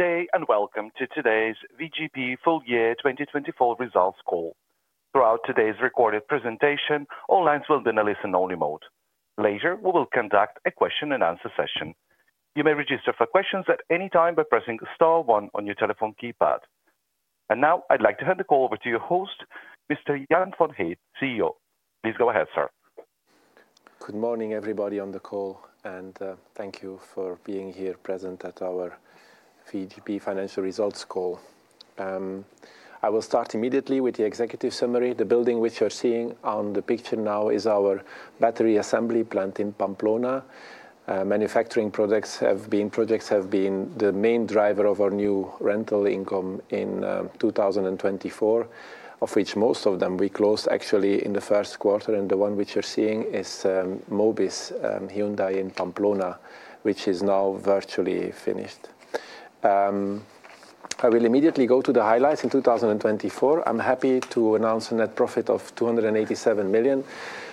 Good day and welcome to today's VGP full year 2024 results call. Throughout today's recorded presentation, all lines will be in a listen-only mode. Later, we will conduct a question-and-answer session. You may register for questions at any time by pressing *one on your telephone keypad. And now, I'd like to hand the call over to your host, Mr. Jan Van Geet, CEO. Please go ahead, sir. Good morning, everybody on the call, and thank you for being here present at our VGP financial results call. I will start immediately with the executive summary. The building which you're seeing on the picture now is our battery assembly plant in Pamplona. Manufacturing projects have been the main driver of our new rental income in 2024, of which most of them we closed actually in the first quarter, and the one which you're seeing is Mobis, Hyundai in Pamplona, which is now virtually finished. I will immediately go to the highlights in 2024. I'm happy to announce a net profit of 287 million,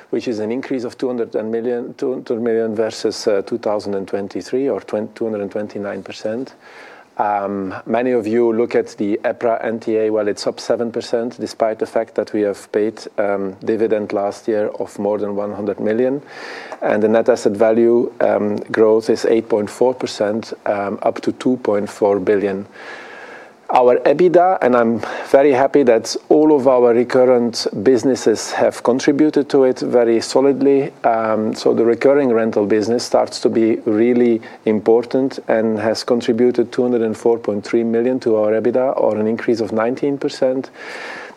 which is an increase of 200 million versus 2023, or 229%. Many of you look at the EPRA NTA, well, it's up 7% despite the fact that we have paid dividend last year of more than 100 million. The net asset value growth is 8.4%, up to 2.4 billion. Our EBITDA, and I'm very happy that all of our recurrent businesses have contributed to it very solidly. The recurring rental business starts to be really important and has contributed 204.3 million to our EBITDA, or an increase of 19%.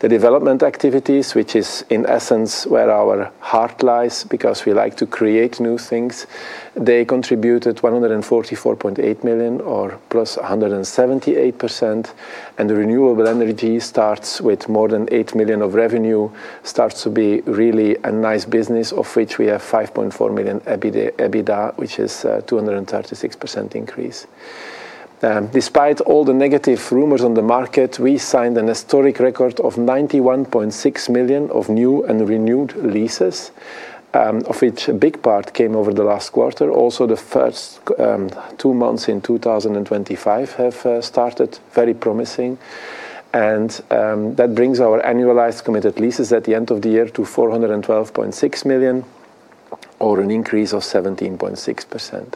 The development activities, which is in essence where our heart lies because we like to create new things, they contributed 144.8 million, or plus 178%. The renewable energy starts with more than 8 million of revenue, starts to be really a nice business, of which we have 5.4 million EBITDA, which is a 236% increase. Despite all the negative rumors on the market, we signed a historic record of 91.6 million of new and renewed leases, of which a big part came over the last quarter. Also, the first two months in 2025 have started very promising. That brings our annualized committed leases at the end of the year to 412.6 million, or an increase of 17.6%.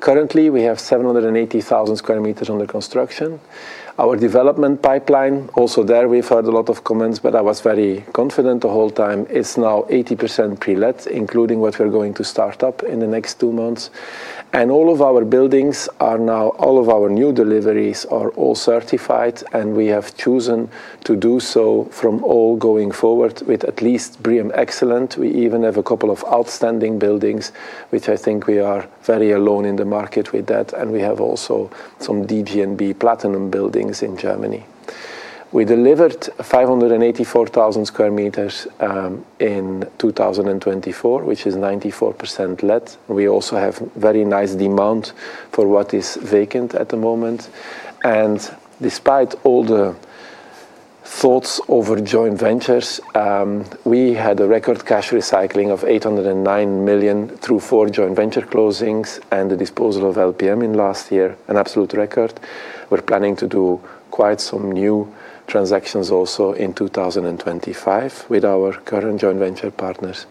Currently, we have 780,000 sq m under construction. Our development pipeline, also there we've heard a lot of comments, but I was very confident the whole time, is now 80% pre-let, including what we're going to start up in the next two months. All of our buildings are now, all of our new deliveries are all certified, and we have chosen to do so from all going forward with at least BREEAM Excellent. We even have a couple of outstanding buildings, which I think we are very alone in the market with that. We have also some DGNB Platinum buildings in Germany. We delivered 584,000 sq m in 2024, which is 94% let. We also have very nice demand for what is vacant at the moment. Despite all the thoughts over joint ventures, we had a record cash recycling of 809 million through four joint venture closings and the disposal of LPM in last year, an absolute record. We're planning to do quite some new transactions also in 2025 with our current joint venture partners.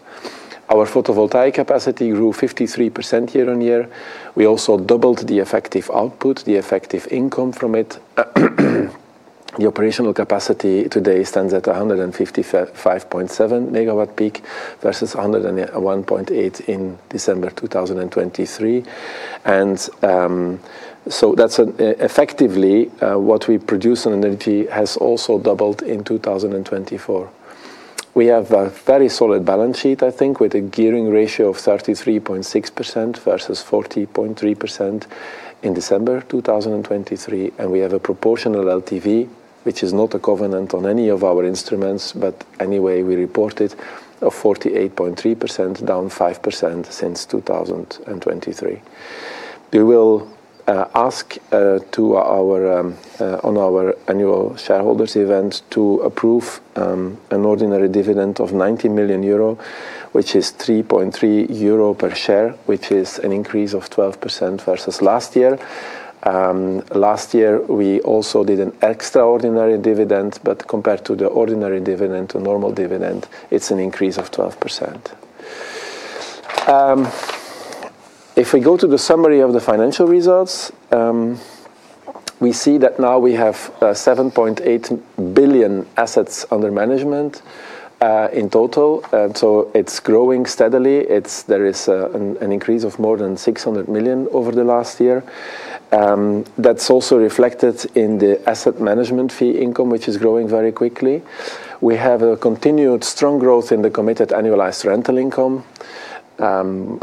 Our photovoltaic capacity grew 53% year on year. We also doubled the effective output, the effective income from it. The operational capacity today stands at 155.7 MW peak versus 101.8 in December 2023. That's effectively what we produce on energy has also doubled in 2024. We have a very solid balance sheet, I think, with a gearing ratio of 33.6% versus 40.3% in December 2023. We have a proportional LTV, which is not a covenant on any of our instruments, but anyway, we report it of 48.3%, down 5% since 2023. We will ask on our annual shareholders' event to approve an ordinary dividend of 90 million euro, which is 3.3 euro per share, which is an increase of 12% versus last year. Last year, we also did an extraordinary dividend, but compared to the ordinary dividend, the normal dividend, it's an increase of 12%. If we go to the summary of the financial results, we see that now we have 7.8 billion EUR assets under management in total. So it's growing steadily. There is an increase of more than 600 million EUR over the last year. That's also reflected in the asset management fee income, which is growing very quickly. We have a continued strong growth in the committed annualized rental income.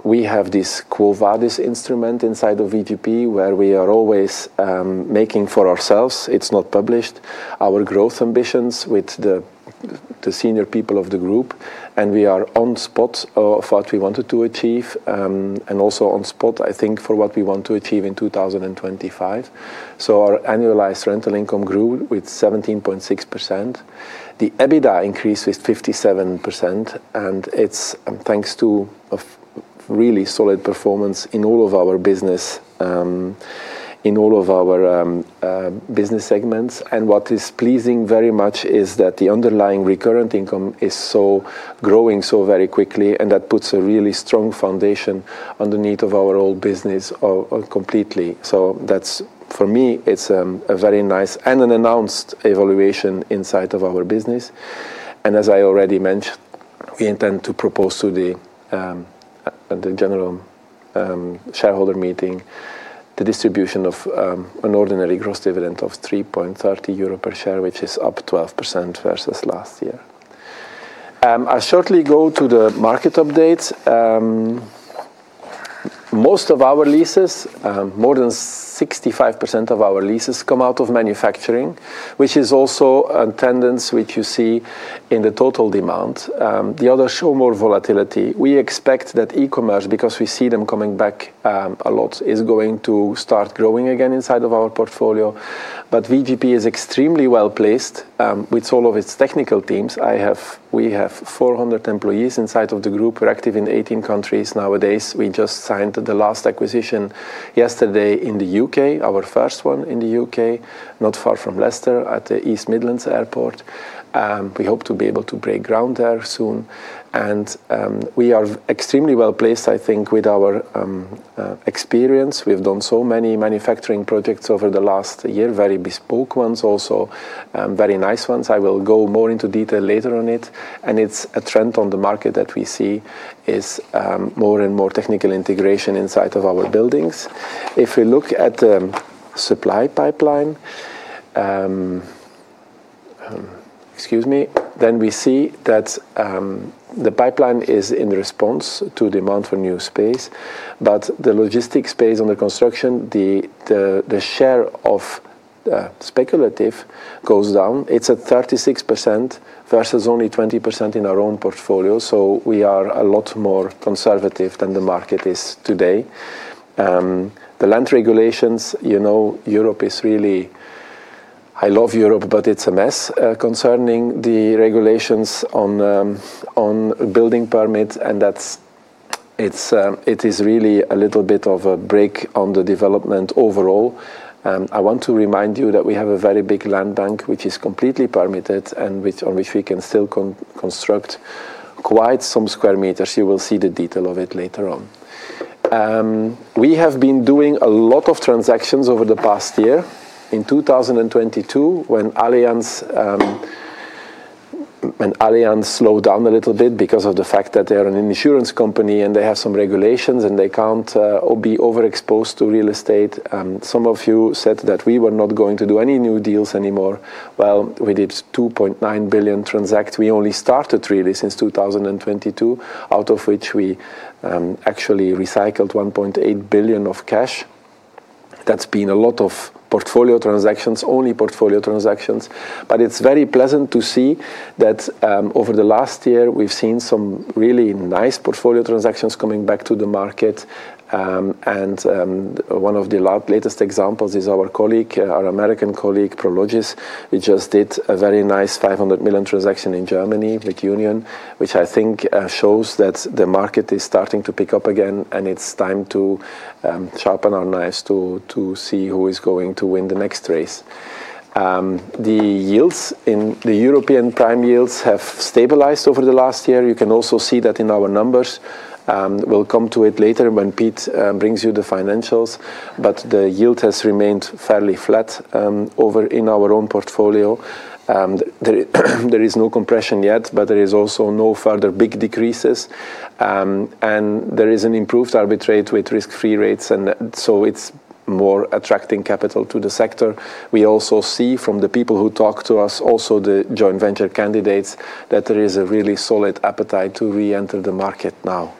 We have this Quo Vadis instrument inside of VGP where we are always making for ourselves. It's not published. Our growth ambitions with the senior people of the group, and we are spot on what we wanted to achieve, and also spot on, I think, for what we want to achieve in 2025. Our annualized rental income grew with 17.6%. The EBITDA increased with 57%, and it's thanks to a really solid performance in all of our business, in all of our business segments. What is pleasing very much is that the underlying recurrent income is so growing so very quickly, and that puts a really strong foundation underneath of our old business completely. That's, for me, a very nice and a nuanced evaluation inside of our business. As I already mentioned, we intend to propose to the general shareholder meeting the distribution of an ordinary gross dividend of 3.30 euro per share, which is up 12% versus last year. I'll shortly go to the market updates. Most of our leases, more than 65% of our leases come out of manufacturing, which is also a tendency which you see in the total demand. The others show more volatility. We expect that e-commerce, because we see them coming back a lot, is going to start growing again inside of our portfolio. VGP is extremely well placed with all of its technical teams. We have 400 employees inside of the group. We're active in 18 countries nowadays. We just signed the last acquisition yesterday in the U.K., our first one in the U.K., not far from Leicester at the East Midlands Airport. We hope to be able to break ground there soon, and we are extremely well placed, I think, with our experience. We've done so many manufacturing projects over the last year, very bespoke ones also, very nice ones. I will go more into detail later on it, and it's a trend on the market that we see is more and more technical integration inside of our buildings. If we look at the supply pipeline, excuse me, then we see that the pipeline is in response to demand for new space, but the logistics space under construction, the share of speculative goes down. It's at 36% versus only 20% in our own portfolio, so we are a lot more conservative than the market is today. The land regulations, you know, Europe is really, I love Europe, but it's a mess concerning the regulations on building permits. It is really a little bit of a break on the development overall. I want to remind you that we have a very big land bank, which is completely permitted and on which we can still construct quite some sqm. You will see the detail of it later on. We have been doing a lot of transactions over the past year. In 2022, when Allianz slowed down a little bit because of the fact that they are an insurance company and they have some regulations and they can't be overexposed to real estate, some of you said that we were not going to do any new deals anymore. Well, we did 2.9 billion transactions. We only started really since 2022, out of which we actually recycled 1.8 billion of cash. That's been a lot of portfolio transactions, only portfolio transactions. But it's very pleasant to see that over the last year, we've seen some really nice portfolio transactions coming back to the market. And one of the latest examples is our colleague, our American colleague, Prologis, which just did a very nice 500 million transaction in Germany, LIQUIONION, which I think shows that the market is starting to pick up again and it's time to sharpen our knives to see who is going to win the next race. The European prime yields have stabilized over the last year. You can also see that in our numbers. We'll come to it later when Pete brings you the financials. But the yield has remained fairly flat in our own portfolio. There is no compression yet, but there is also no further big decreases. And there is an improved arbitrage with risk-free rates. And so it's more attracting capital to the sector. We also see from the people who talk to us, also the joint venture candidates, that there is a really solid appetite to re-enter the market now.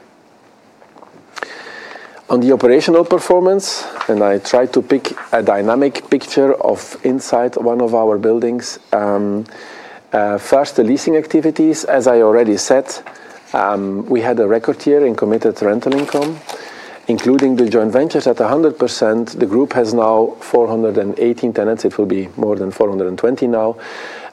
On the operational performance, and I tried to pick a dynamic picture of inside one of our buildings. First, the leasing activities. As I already said, we had a record year in committed rental income, including the joint ventures at 100%. The group has now 418 tenants. It will be more than 420 now.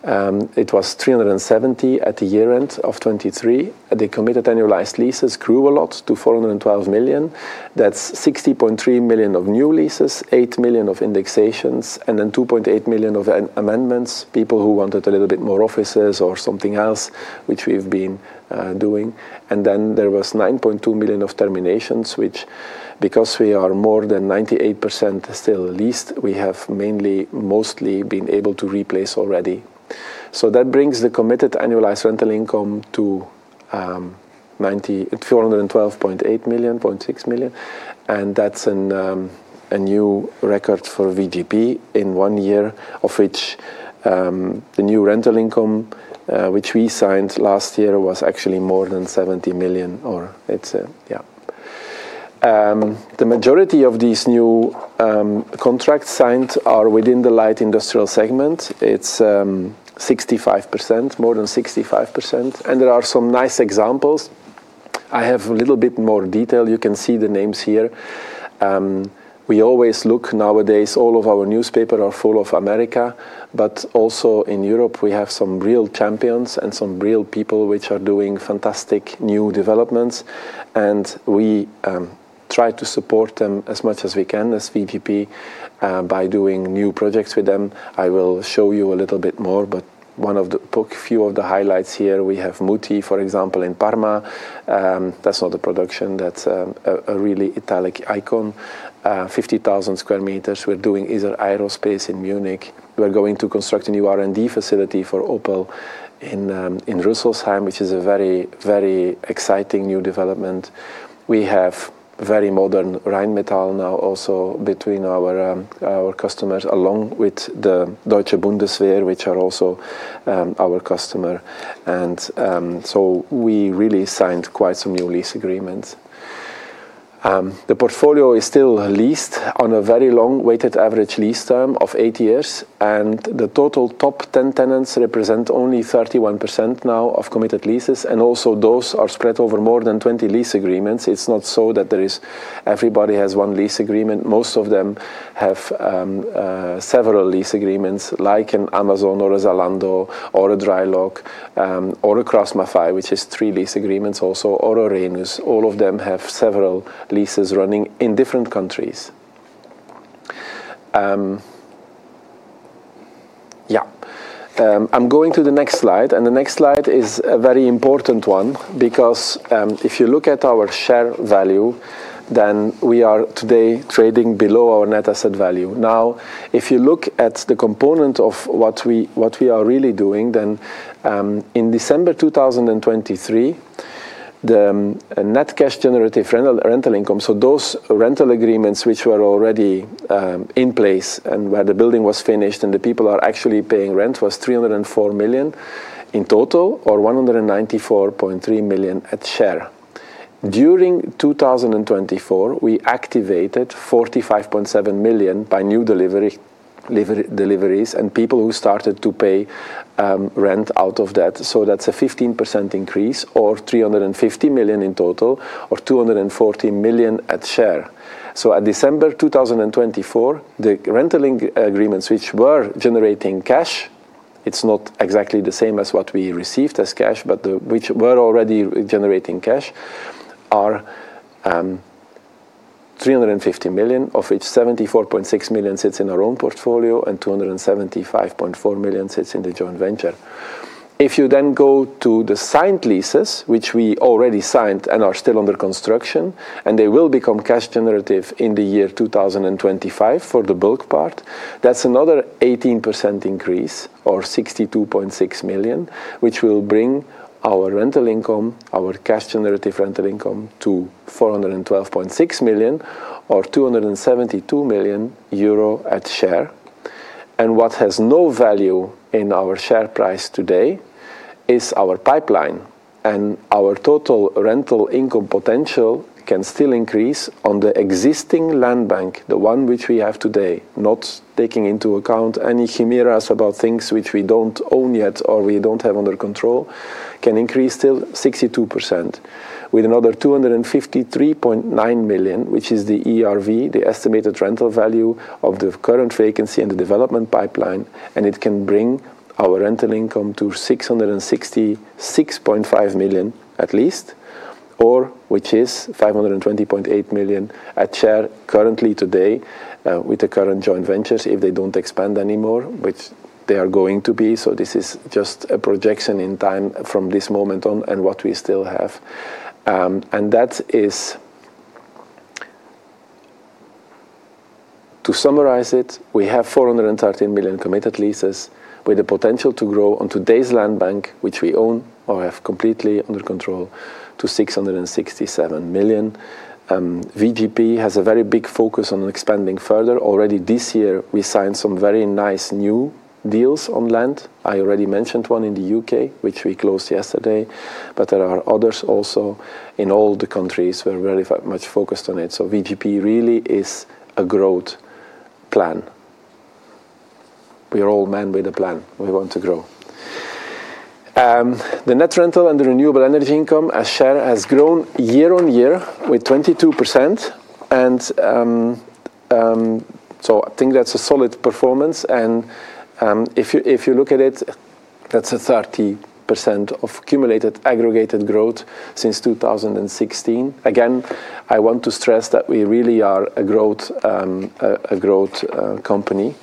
It was 370 at the year-end of 2023. The committed annualized leases grew a lot to 412 million. That's 60.3 million of new leases, 8 million of indexations, and then 2.8 million of amendments, people who wanted a little bit more offices or something else, which we've been doing. And then there was 9.2 million of terminations, which, because we are more than 98% still leased, we have mainly, mostly been able to replace already. So that brings the committed annualized rental income to 412.8 million, 0.6 million. And that's a new record for VGP in one year, of which the new rental income, which we signed last year, was actually more than 70 million. Yeah. The majority of these new contracts signed are within the light industrial segment. It's 65%, more than 65%. And there are some nice examples. I have a little bit more detail. You can see the names here. We always look nowadays. All of our newspapers are full of America, but also in Europe, we have some real champions and some real people which are doing fantastic new developments. We try to support them as much as we can as VGP by doing new projects with them. I will show you a little bit more, but one of the few of the highlights here, we have Mutti, for example, in Parma. That's not a production. That's a really Italian icon, 50,000 sq m. We're doing Isar Aerospace in Munich. We're going to construct a new R&D facility for Opel in Rüsselsheim, which is a very, very exciting new development. We have very modern Rheinmetall now also between our customers, along with the Deutsche Bundeswehr, which are also our customer. So we really signed quite some new lease agreements. The portfolio is still leased on a very long weighted average lease term of eight years. The total top 10 tenants represent only 31% now of committed leases. And also those are spread over more than 20 lease agreements. It's not so that everybody has one lease agreement. Most of them have several lease agreements, like an Amazon or a Zalando or a Drylock or a KraussMaffei, which is three lease agreements also, or a Rhenus. All of them have several leases running in different countries. Yeah. I'm going to the next slide. And the next slide is a very important one because if you look at our share value, then we are today trading below our net asset value. Now, if you look at the component of what we are really doing, then in December 2023, the net cash generative rental income, so those rental agreements which were already in place and where the building was finished and the people are actually paying rent was 304 million in total or 194.3 million per share. During 2024, we activated 45.7 million by new deliveries and people who started to pay rent out of that. So that's a 15% increase or 350 million in total or 240 million at share. So at December 2024, the rental agreements which were generating cash, it's not exactly the same as what we received as cash, but which were already generating cash are 350 million, of which 74.6 million sits in our own portfolio and 275.4 million sits in the joint venture. If you then go to the signed leases, which we already signed and are still under construction, and they will become cash generative in the year 2025 for the bulk part, that's another 18% increase or 62.6 million, which will bring our rental income, our cash generative rental income to 412.6 million or 272 million euro at share. What has no value in our share price today is our pipeline. Our total rental income potential can still increase on the existing land bank, the one which we have today, not taking into account any chimeras about things which we don't own yet or we don't have under control. It can increase still 62% with another 253.9 million, which is the ERV, the estimated rental value of the current vacancy and the development pipeline. And it can bring our rental income to 666.5 million at least, or which is 520.8 million at share currently today with the current joint ventures if they don't expand anymore, which they are going to be. This is just a projection in time from this moment on and what we still have. That is, to summarize it, we have 413 million committed leases with the potential to grow on today's land bank, which we own or have completely under control, to 667 million. VGP has a very big focus on expanding further. Already this year, we signed some very nice new deals on land. I already mentioned one in the U.K., which we closed yesterday, but there are others also in all the countries where we're very much focused on it. VGP really is a growth plan. We are all men with a plan. We want to grow. The net rental and the renewable energy income as share has grown year on year with 22%. So, I think that's a solid performance. If you look at it, that's a 30% of cumulated aggregated growth since 2016. Again, I want to stress that we really are a growth company.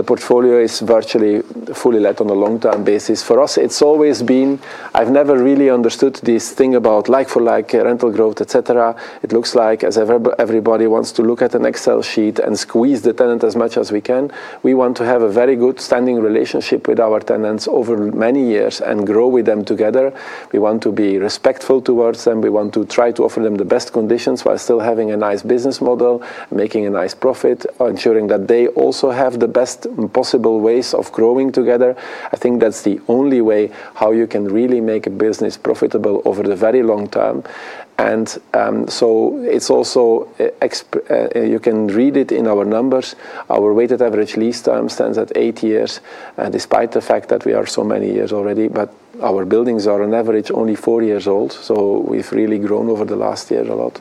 The portfolio is virtually fully let on a long-term basis. For us, it's always been, I've never really understood this thing about like-for-like rental growth, etc. It looks like as everybody wants to look at an Excel sheet and squeeze the tenant as much as we can. We want to have a very good standing relationship with our tenants over many years and grow with them together. We want to be respectful towards them. We want to try to offer them the best conditions while still having a nice business model, making a nice profit, ensuring that they also have the best possible ways of growing together. I think that's the only way how you can really make a business profitable over the very long term. And so it's also, you can read it in our numbers. Our weighted average lease term stands at eight years, despite the fact that we are so many years already, but our buildings are on average only four years old. So we've really grown over the last year a lot.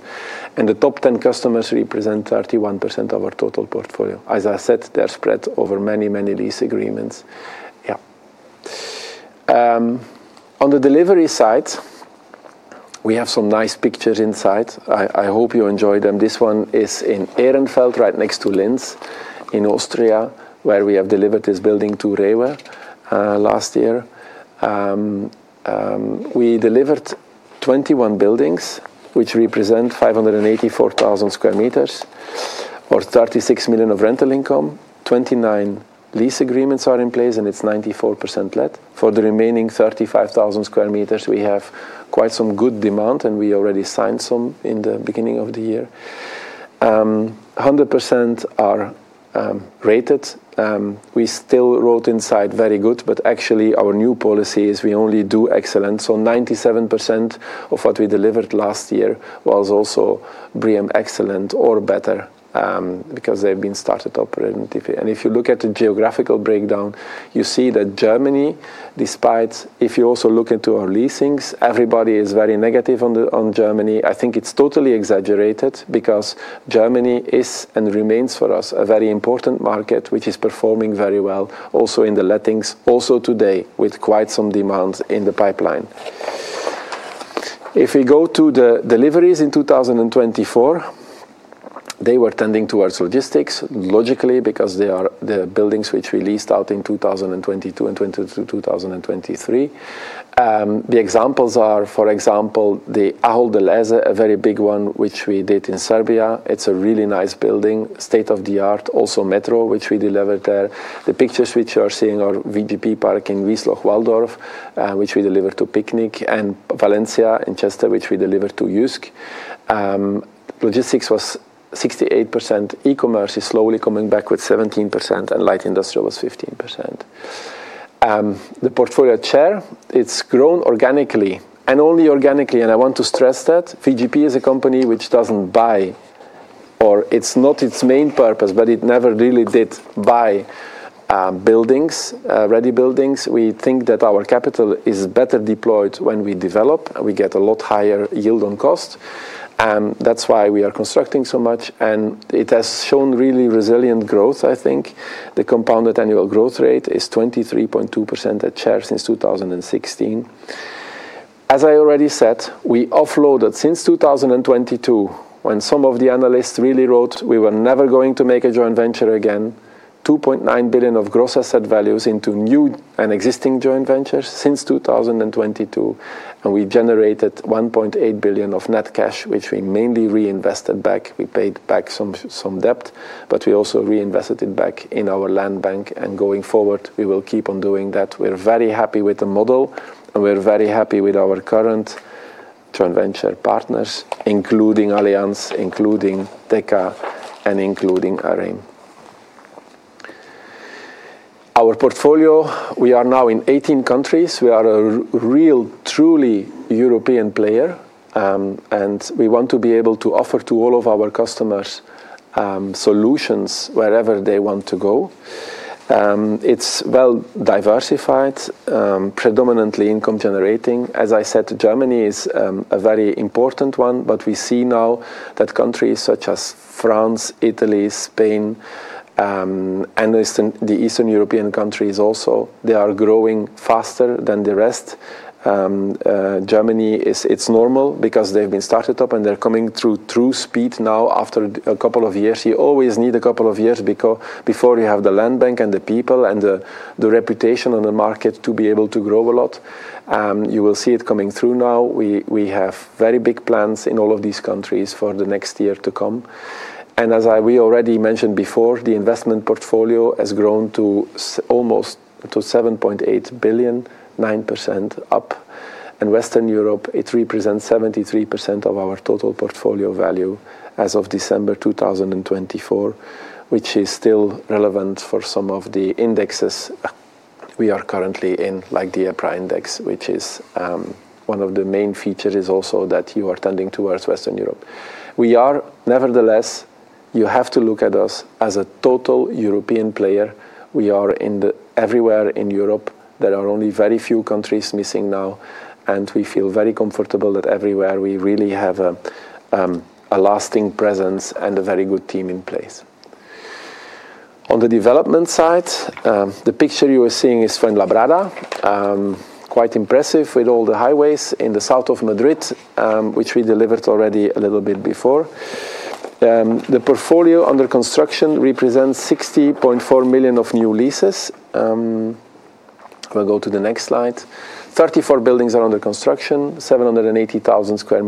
And the top 10 customers represent 31% of our total portfolio. As I said, they're spread over many, many lease agreements. Yeah. On the delivery side, we have some nice pictures inside. I hope you enjoy them. This one is in Enns, right next to Linz in Austria, where we have delivered this building to REWE last year. We delivered 21 buildings, which represent 584,000 sq m or 36 million of rental income. 29 lease agreements are in place, and it's 94% let. For the remaining 35,000 sq m, we have quite some good demand, and we already signed some in the beginning of the year. 100% are rated. We still rate in-use very good, but actually our new policy is we only do excellent. So 97% of what we delivered last year was also BREEAM Excellent or better because they've been started operationally. If you look at the geographical breakdown, you see that Germany, despite, if you also look into our leasings, everybody is very negative on Germany. I think it's totally exaggerated because Germany is and remains for us a very important market, which is performing very well also in the lettings, also today with quite some demands in the pipeline. If we go to the deliveries in 2024, they were tending towards logistics, logically, because they are the buildings which we leased out in 2022 and 2023. The examples are, for example, the Ahold Delhaize, a very big one which we did in Serbia. It's a really nice building, state-of-the-art, also Metro, which we delivered there. The pictures which you are seeing are VGP Park in Wiesloch-Walldorf, which we delivered to Picnic, and Valencia in Cheste, which we delivered to JYSK. Logistics was 68%. E-commerce is slowly coming back with 17%, and light industrial was 15%. The portfolio share, it's grown organically and only organically. I want to stress that VGP is a company which doesn't buy, or it's not its main purpose, but it never really did buy buildings, ready buildings. We think that our capital is better deployed when we develop. We get a lot higher yield on cost. That's why we are constructing so much. It has shown really resilient growth, I think. The compounded annual growth rate is 23.2% per share since 2016. As I already said, we offloaded since 2022, when some of the analysts really wrote we were never going to make a joint venture again, 2.9 billion of gross asset values into new and existing joint ventures since 2022, and we generated 1.8 billion of net cash, which we mainly reinvested back. We paid back some debt, but we also reinvested it back in our land bank, and going forward, we will keep on doing that. We're very happy with the model, and we're very happy with our current joint venture partners, including Allianz, including Deka, and including Areim. Our portfolio, we are now in 18 countries. We are a real, truly European player, and we want to be able to offer to all of our customers solutions wherever they want to go. It's well diversified, predominantly income-generating. As I said, Germany is a very important one, but we see now that countries such as France, Italy, Spain, and the Eastern European countries also, they are growing faster than the rest. Germany, it's normal because they've been started up and they're coming through true speed now after a couple of years. You always need a couple of years before you have the land bank and the people and the reputation on the market to be able to grow a lot. You will see it coming through now. We have very big plans in all of these countries for the next year to come, and as we already mentioned before, the investment portfolio has grown to almost 7.8 billion, 9% up. And Western Europe, it represents 73% of our total portfolio value as of December 2024, which is still relevant for some of the indexes we are currently in, like the EPRA index, which is one of the main features also that you are tending towards Western Europe. We are, nevertheless. You have to look at us as a total European player. We are everywhere in Europe. There are only very few countries missing now. And we feel very comfortable that everywhere we really have a lasting presence and a very good team in place. On the development side, the picture you are seeing is from Fuenlabrada, quite impressive with all the highways in the south of Madrid, which we delivered already a little bit before. The portfolio under construction represents 60.4 million of new leases. We'll go to the next slide. 34 buildings are under construction, 780,000 sq m.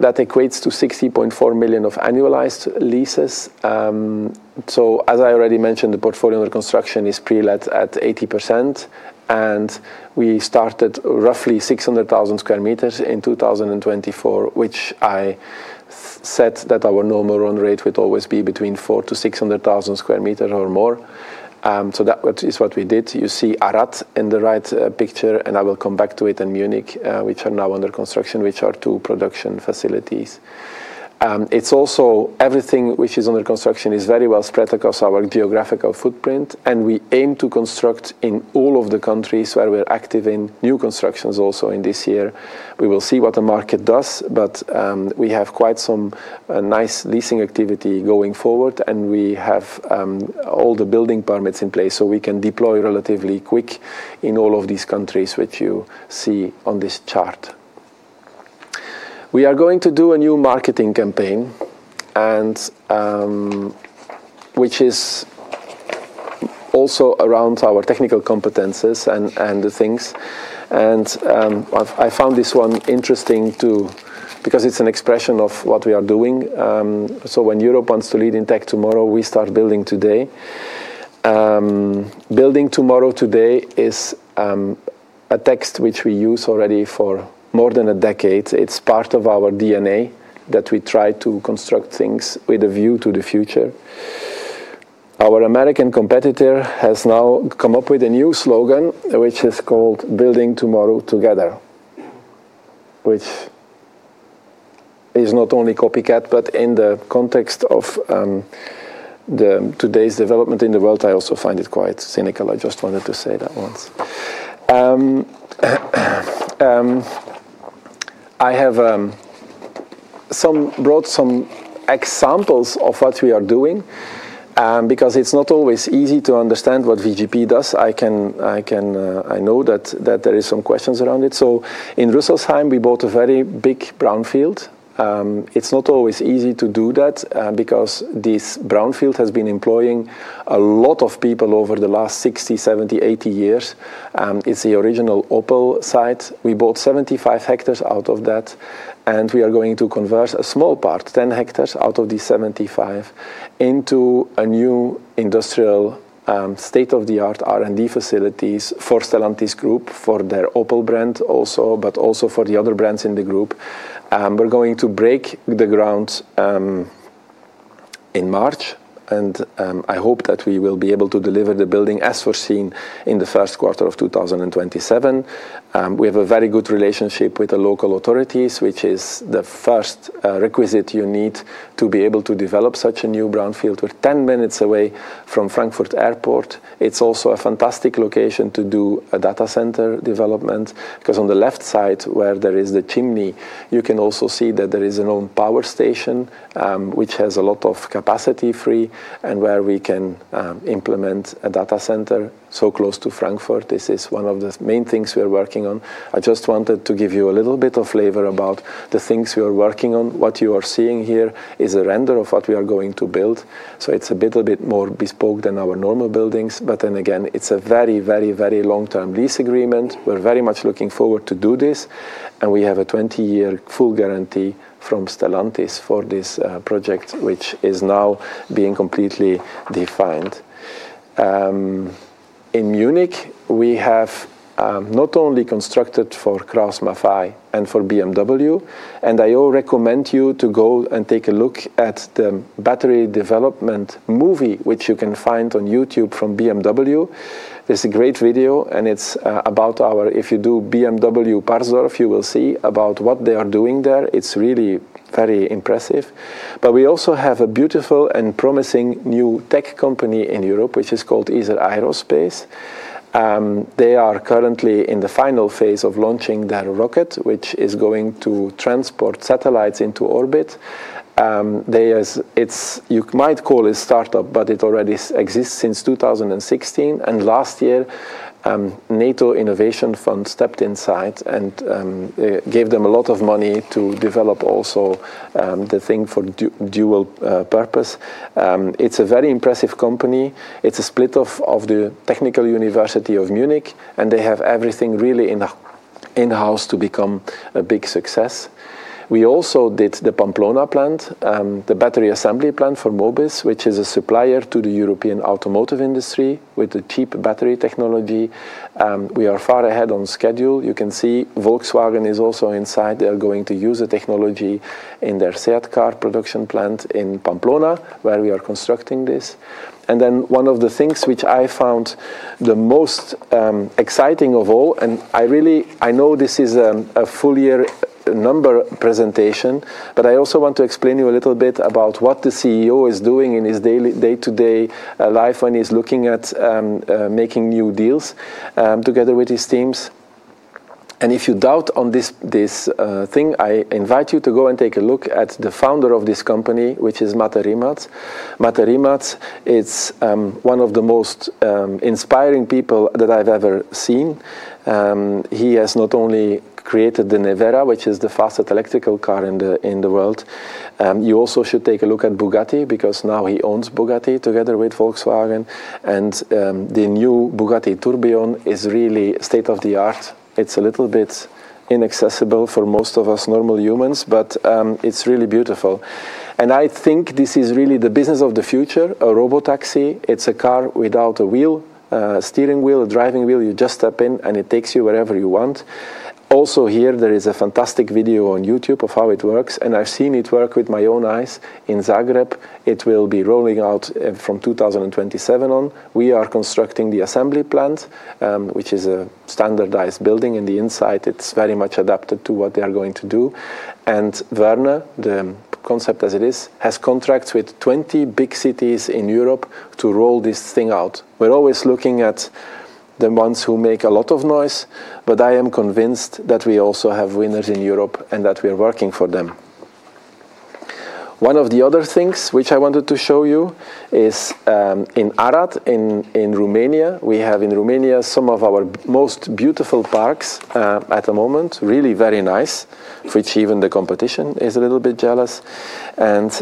That equates to 60.4 million of annualized leases. As I already mentioned, the portfolio under construction is pre-let at 80%. We started roughly 600,000 sq m in 2024, which I said that our normal run rate would always be between 400,000 to 600,000 sq m or more. That is what we did. You see Arad in the right picture, and I will come back to it in Munich, which are now under construction, which are two production facilities. It's also everything which is under construction is very well spread across our geographical footprint. We aim to construct in all of the countries where we're active in new constructions also in this year. We will see what the market does, but we have quite some nice leasing activity going forward. We have all the building permits in place so we can deploy relatively quick in all of these countries, which you see on this chart. We are going to do a new marketing campaign, which is also around our technical competencies and the things. I found this one interesting too because it's an expression of what we are doing. When Europe wants to lead in tech tomorrow, we start building today. Building tomorrow today is a text which we use already for more than a decade. It's part of our DNA that we try to construct things with a view to the future. Our American competitor has now come up with a new slogan, which is called Building Tomorrow Together, which is not only copycat, but in the context of today's development in the world, I also find it quite cynical. I just wanted to say that once. I have brought some examples of what we are doing because it's not always easy to understand what VGP does. I know that there are some questions around it. So in Rüsselsheim, we bought a very big brownfield. It's not always easy to do that because this brownfield has been employing a lot of people over the last 60, 70, 80 years. It's the original Opel site. We bought 75 hectares out of that, and we are going to convert a small part, 10 hectares out of these 75, into a new industrial state-of-the-art R&D facilities for Stellantis Group, for their Opel brand also, but also for the other brands in the group. We're going to break the ground in March, and I hope that we will be able to deliver the building as foreseen in the first quarter of 2027. We have a very good relationship with the local authorities, which is the first requisite you need to be able to develop such a new brownfield with 10 minutes away from Frankfurt Airport. It's also a fantastic location to do a data center development because on the left side where there is the chimney, you can also see that there is an old power station, which has a lot of capacity free and where we can implement a data center so close to Frankfurt. This is one of the main things we are working on. I just wanted to give you a little bit of flavor about the things we are working on. What you are seeing here is a render of what we are going to build, so it's a little bit more bespoke than our normal buildings, but then again, it's a very, very, very long-term lease agreement. We're very much looking forward to do this, and we have a 20-year full guarantee from Stellantis for this project, which is now being completely defined. In Munich, we have not only constructed for KraussMaffei and for BMW, and I recommend you to go and take a look at the battery development movie, which you can find on YouTube from BMW. It's a great video, and it's about our, if you do BMW Parsdorf, you will see about what they are doing there. It's really very impressive, but we also have a beautiful and promising new tech company in Europe, which is called Isar Aerospace. They are currently in the final phase of launching their rocket, which is going to transport satellites into orbit. You might call it startup, but it already exists since 2016. Last year, NATO Innovation Fund stepped inside and gave them a lot of money to develop also the thing for dual purpose. It's a very impressive company. It's a split of the Technical University of Munich. They have everything really in-house to become a big success. We also did the Pamplona plant, the battery assembly plant for Mobis, which is a supplier to the European automotive industry with the cheap battery technology. We are far ahead on schedule. You can see Volkswagen is also inside. They're going to use the technology in their SEAT car production plant in Pamplona, where we are constructing this. And then one of the things which I found the most exciting of all, and I know this is a full year number presentation, but I also want to explain to you a little bit about what the CEO is doing in his day-to-day life when he's looking at making new deals together with his teams. And if you doubt on this thing, I invite you to go and take a look at the founder of this company, which is Mate Rimac. Mate Rimac is one of the most inspiring people that I've ever seen. He has not only created the Nevera, which is the fastest electrical car in the world. You also should take a look at Bugatti because now he owns Bugatti together with Volkswagen. And the new Bugatti Tourbillon is really state-of-the-art. It's a little bit inaccessible for most of us normal humans, but it's really beautiful. I think this is really the business of the future, a robotaxi. It's a car without a wheel, a steering wheel, a driving wheel. You just step in and it takes you wherever you want. Also here, there is a fantastic video on YouTube of how it works. And I've seen it work with my own eyes in Zagreb. It will be rolling out from 2027 on. We are constructing the assembly plant, which is a standardized building in the inside. It's very much adapted to what they are going to do. And Verne, the concept as it is, has contracts with 20 big cities in Europe to roll this thing out. We're always looking at the ones who make a lot of noise, but I am convinced that we also have winners in Europe and that we are working for them. One of the other things which I wanted to show you is in Arad, in Romania. We have in Romania some of our most beautiful parks at the moment, really very nice, which even the competition is a little bit jealous. And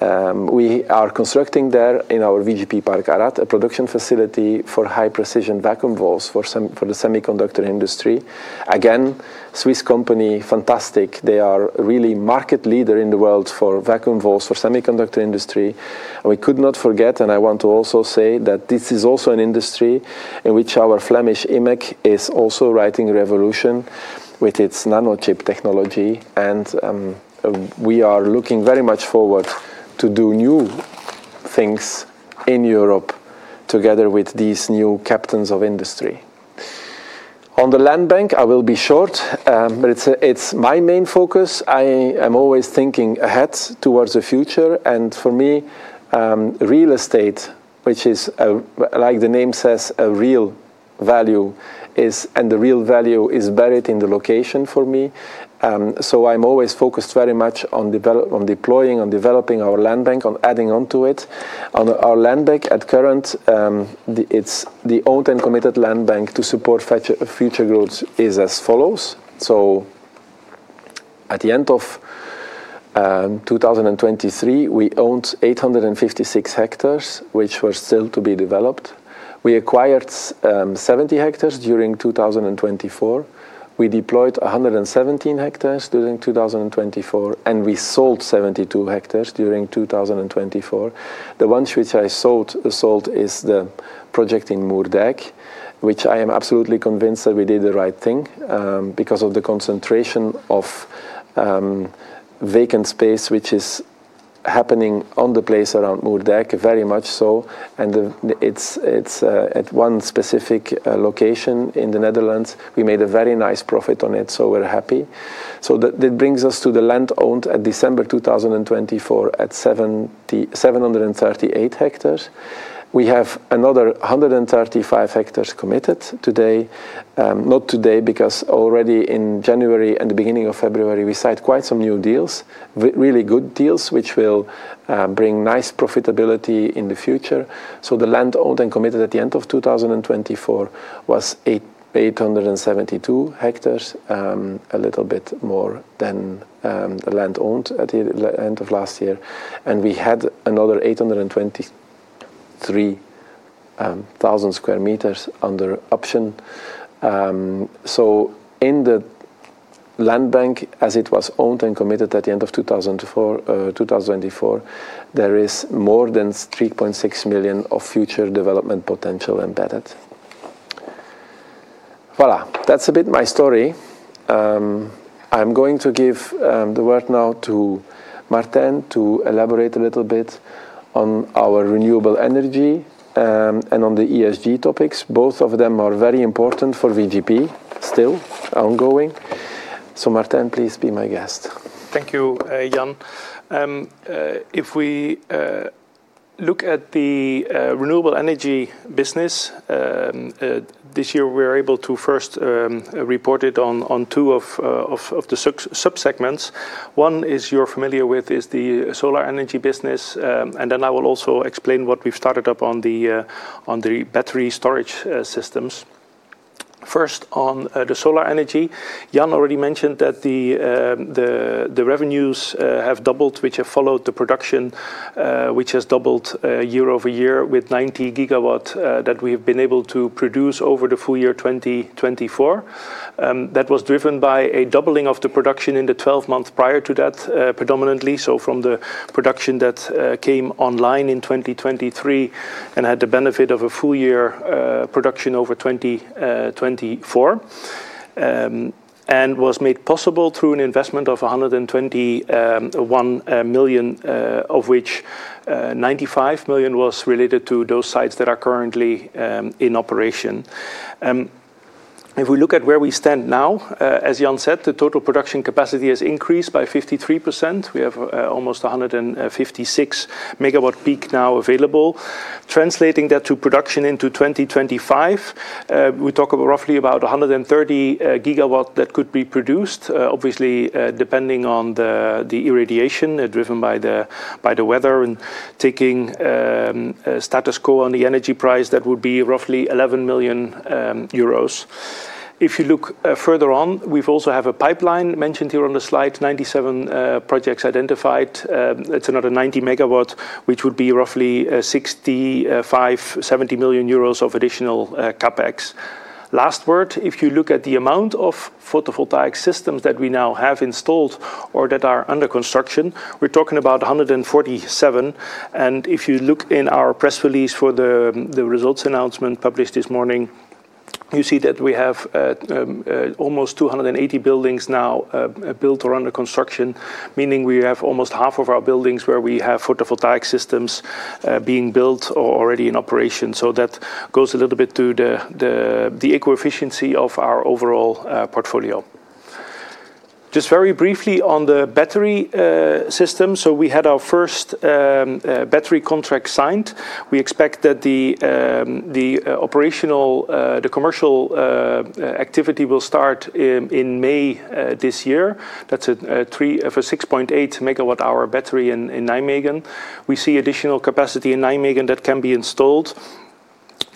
we are constructing there in our VGP Park, Arad, a production facility for high-precision vacuum valves for the semiconductor industry. Again, Swiss company, fantastic. They are really market leader in the world for vacuum valves for semiconductor industry. And we could not forget, and I want to also say that this is also an industry in which our Flemish Imec is also writing a revolution with its nanochip technology. And we are looking very much forward to do new things in Europe together with these new captains of industry. On the land bank, I will be short, but it's my main focus. I am always thinking ahead towards the future. For me, real estate, which is, like the name says, a real value, and the real value is buried in the location for me. I'm always focused very much on deploying, on developing our land bank, on adding onto it. Our land bank at current, it's the owned and committed land bank to support future growth, is as follows. At the end of 2023, we owned 856 hectares, which were still to be developed. We acquired 70 hectares during 2024. We deployed 117 hectares during 2024, and we sold 72 hectares during 2024. The ones which I sold is the project in Moerdijk, which I am absolutely convinced that we did the right thing because of the concentration of vacant space, which is happening on the place around Moerdijk, very much so. It's at one specific location in the Netherlands. We made a very nice profit on it, so we're happy. That brings us to the land owned at December 2024 at 738 hectares. We have another 135 hectares committed today. Not today because already in January and the beginning of February, we signed quite some new deals, really good deals, which will bring nice profitability in the future. The land owned and committed at the end of 2024 was 872 hectares, a little bit more than the land owned at the end of last year. We had another 823,000 sq m under option. In the land bank, as it was owned and committed at the end of 2024, there is more than 3.6 million of future development potential embedded. Voilà, that's a bit my story. I'm going to give the word now to Martin to elaborate a little bit on our renewable energy and on the ESG topics. Both of them are very important for VGP still ongoing. So Martin, please be my guest. Thank you, Jan. If we look at the renewable energy business, this year we were able to first report it on two of the subsegments. One is you're familiar with is the solar energy business. And then I will also explain what we've started up on the battery storage systems. First, on the solar energy, Jan already mentioned that the revenues have doubled, which have followed the production, which has doubled year over year with 90 GW that we have been able to produce over the full year 2024. That was driven by a doubling of the production in the 12 months prior to that, predominantly. From the production that came online in 2023 and had the benefit of a full year production over 2024 and was made possible through an investment of 121 million, of which 95 million was related to those sites that are currently in operation. If we look at where we stand now, as Jan said, the total production capacity has increased by 53%. We have almost 156 MW peak now available. Translating that to production into 2025, we talk roughly about 130 GW that could be produced, obviously depending on the irradiation driven by the weather and taking status quo on the energy price, that would be roughly 11 million euros. If you look further on, we also have a pipeline mentioned here on the slide, 97 projects identified. It's another 90 MW, which would be roughly 65-70 million euros of additional CapEx. Last word, if you look at the amount of photovoltaic systems that we now have installed or that are under construction, we're talking about 147. If you look in our press release for the results announcement published this morning, you see that we have almost 280 buildings now built or under construction, meaning we have almost half of our buildings where we have photovoltaic systems being built or already in operation. That goes a little bit to the efficiency of our overall portfolio. Just very briefly on the battery system. We had our first battery contract signed. We expect that the operational, commercial activity will start in May this year. That's a 6.8 MWh battery in Nijmegen. We see additional capacity in Nijmegen that can be installed.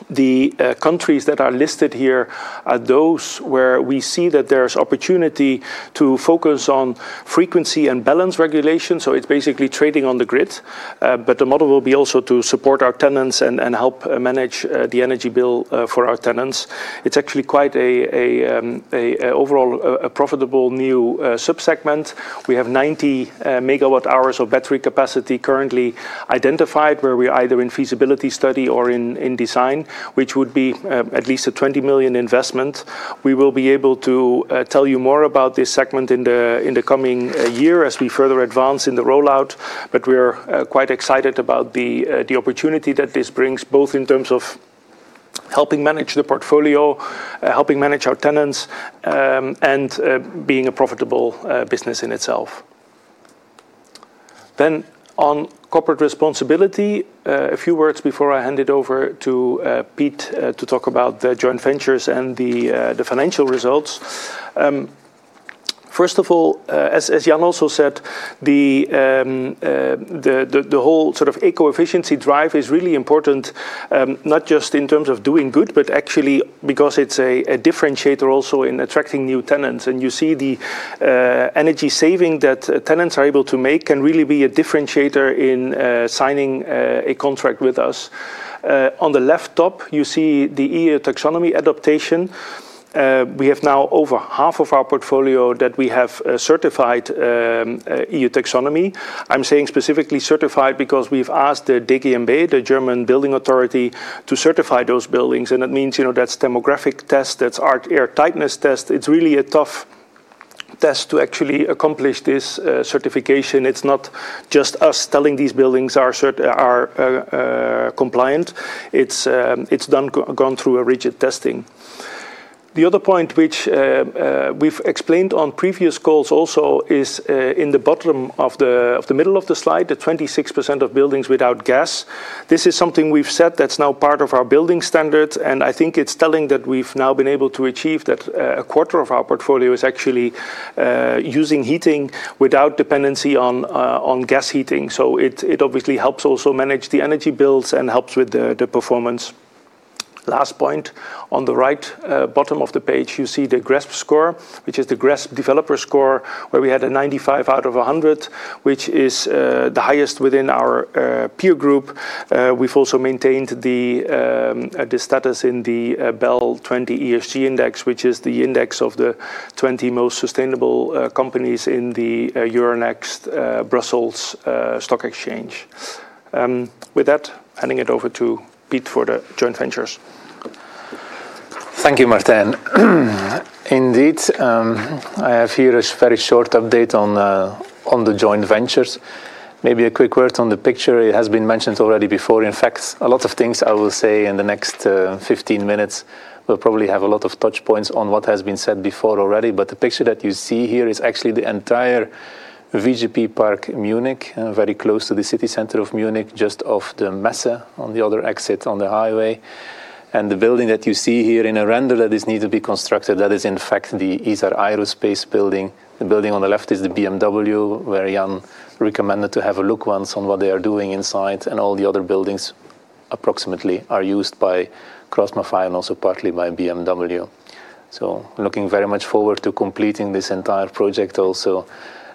The countries that are listed here are those where we see that there is opportunity to focus on frequency and balance regulation. So it's basically trading on the grid. But the model will be also to support our tenants and help manage the energy bill for our tenants. It's actually quite an overall profitable new subsegment. We have 90 MWh of battery capacity currently identified where we're either in feasibility study or in design, which would be at least a 20 million investment. We will be able to tell you more about this segment in the coming year as we further advance in the rollout. But we're quite excited about the opportunity that this brings, both in terms of helping manage the portfolio, helping manage our tenants, and being a profitable business in itself. Then, on corporate responsibility, a few words before I hand it over to Pete to talk about the joint ventures and the financial results. First of all, as Jan also said, the whole sort of ESG efficiency drive is really important, not just in terms of doing good, but actually because it's a differentiator also in attracting new tenants. And you see the energy saving that tenants are able to make can really be a differentiator in signing a contract with us. On the left top, you see the EU Taxonomy adaptation. We have now over half of our portfolio that we have certified EU Taxonomy. I'm saying specifically certified because we've asked the DGNB, the German building authority, to certify those buildings. And that means that's hygrothermal tests, that's air tightness tests. It's really a tough test to actually accomplish this certification. It's not just us telling these buildings are compliant. It's gone through rigid testing. The other point which we've explained on previous calls also is in the bottom of the middle of the slide, the 26% of buildings without gas. This is something we've said that's now part of our building standards, and I think it's telling that we've now been able to achieve that a quarter of our portfolio is actually using heating without dependency on gas heating, so it obviously helps also manage the energy bills and helps with the performance. Last point, on the right bottom of the page, you see the GRESB score, which is the GRESB developer score, where we had a 95 out of 100, which is the highest within our peer group. We've also maintained the status in the BEL 20 ESG index, which is the index of the 20 most sustainable companies in the Euronext Brussels Stock Exchange. With that, handing it over to Pete for the joint ventures. Thank you, Martin. Indeed, I have here a very short update on the joint ventures. Maybe a quick word on the picture. It has been mentioned already before. In fact, a lot of things I will say in the next 15 minutes. We'll probably have a lot of touch points on what has been said before already. But the picture that you see here is actually the entire VGP Park Munich, very close to the city center of Munich, just off the Messe on the other exit on the highway. The building that you see here in a render that is needed to be constructed, that is in fact the Isar Aerospace building. The building on the left is the BMW, where Jan recommended to have a look once on what they are doing inside. All the other buildings approximately are used by KraussMaffei and also partly by BMW. Looking very much forward to completing this entire project also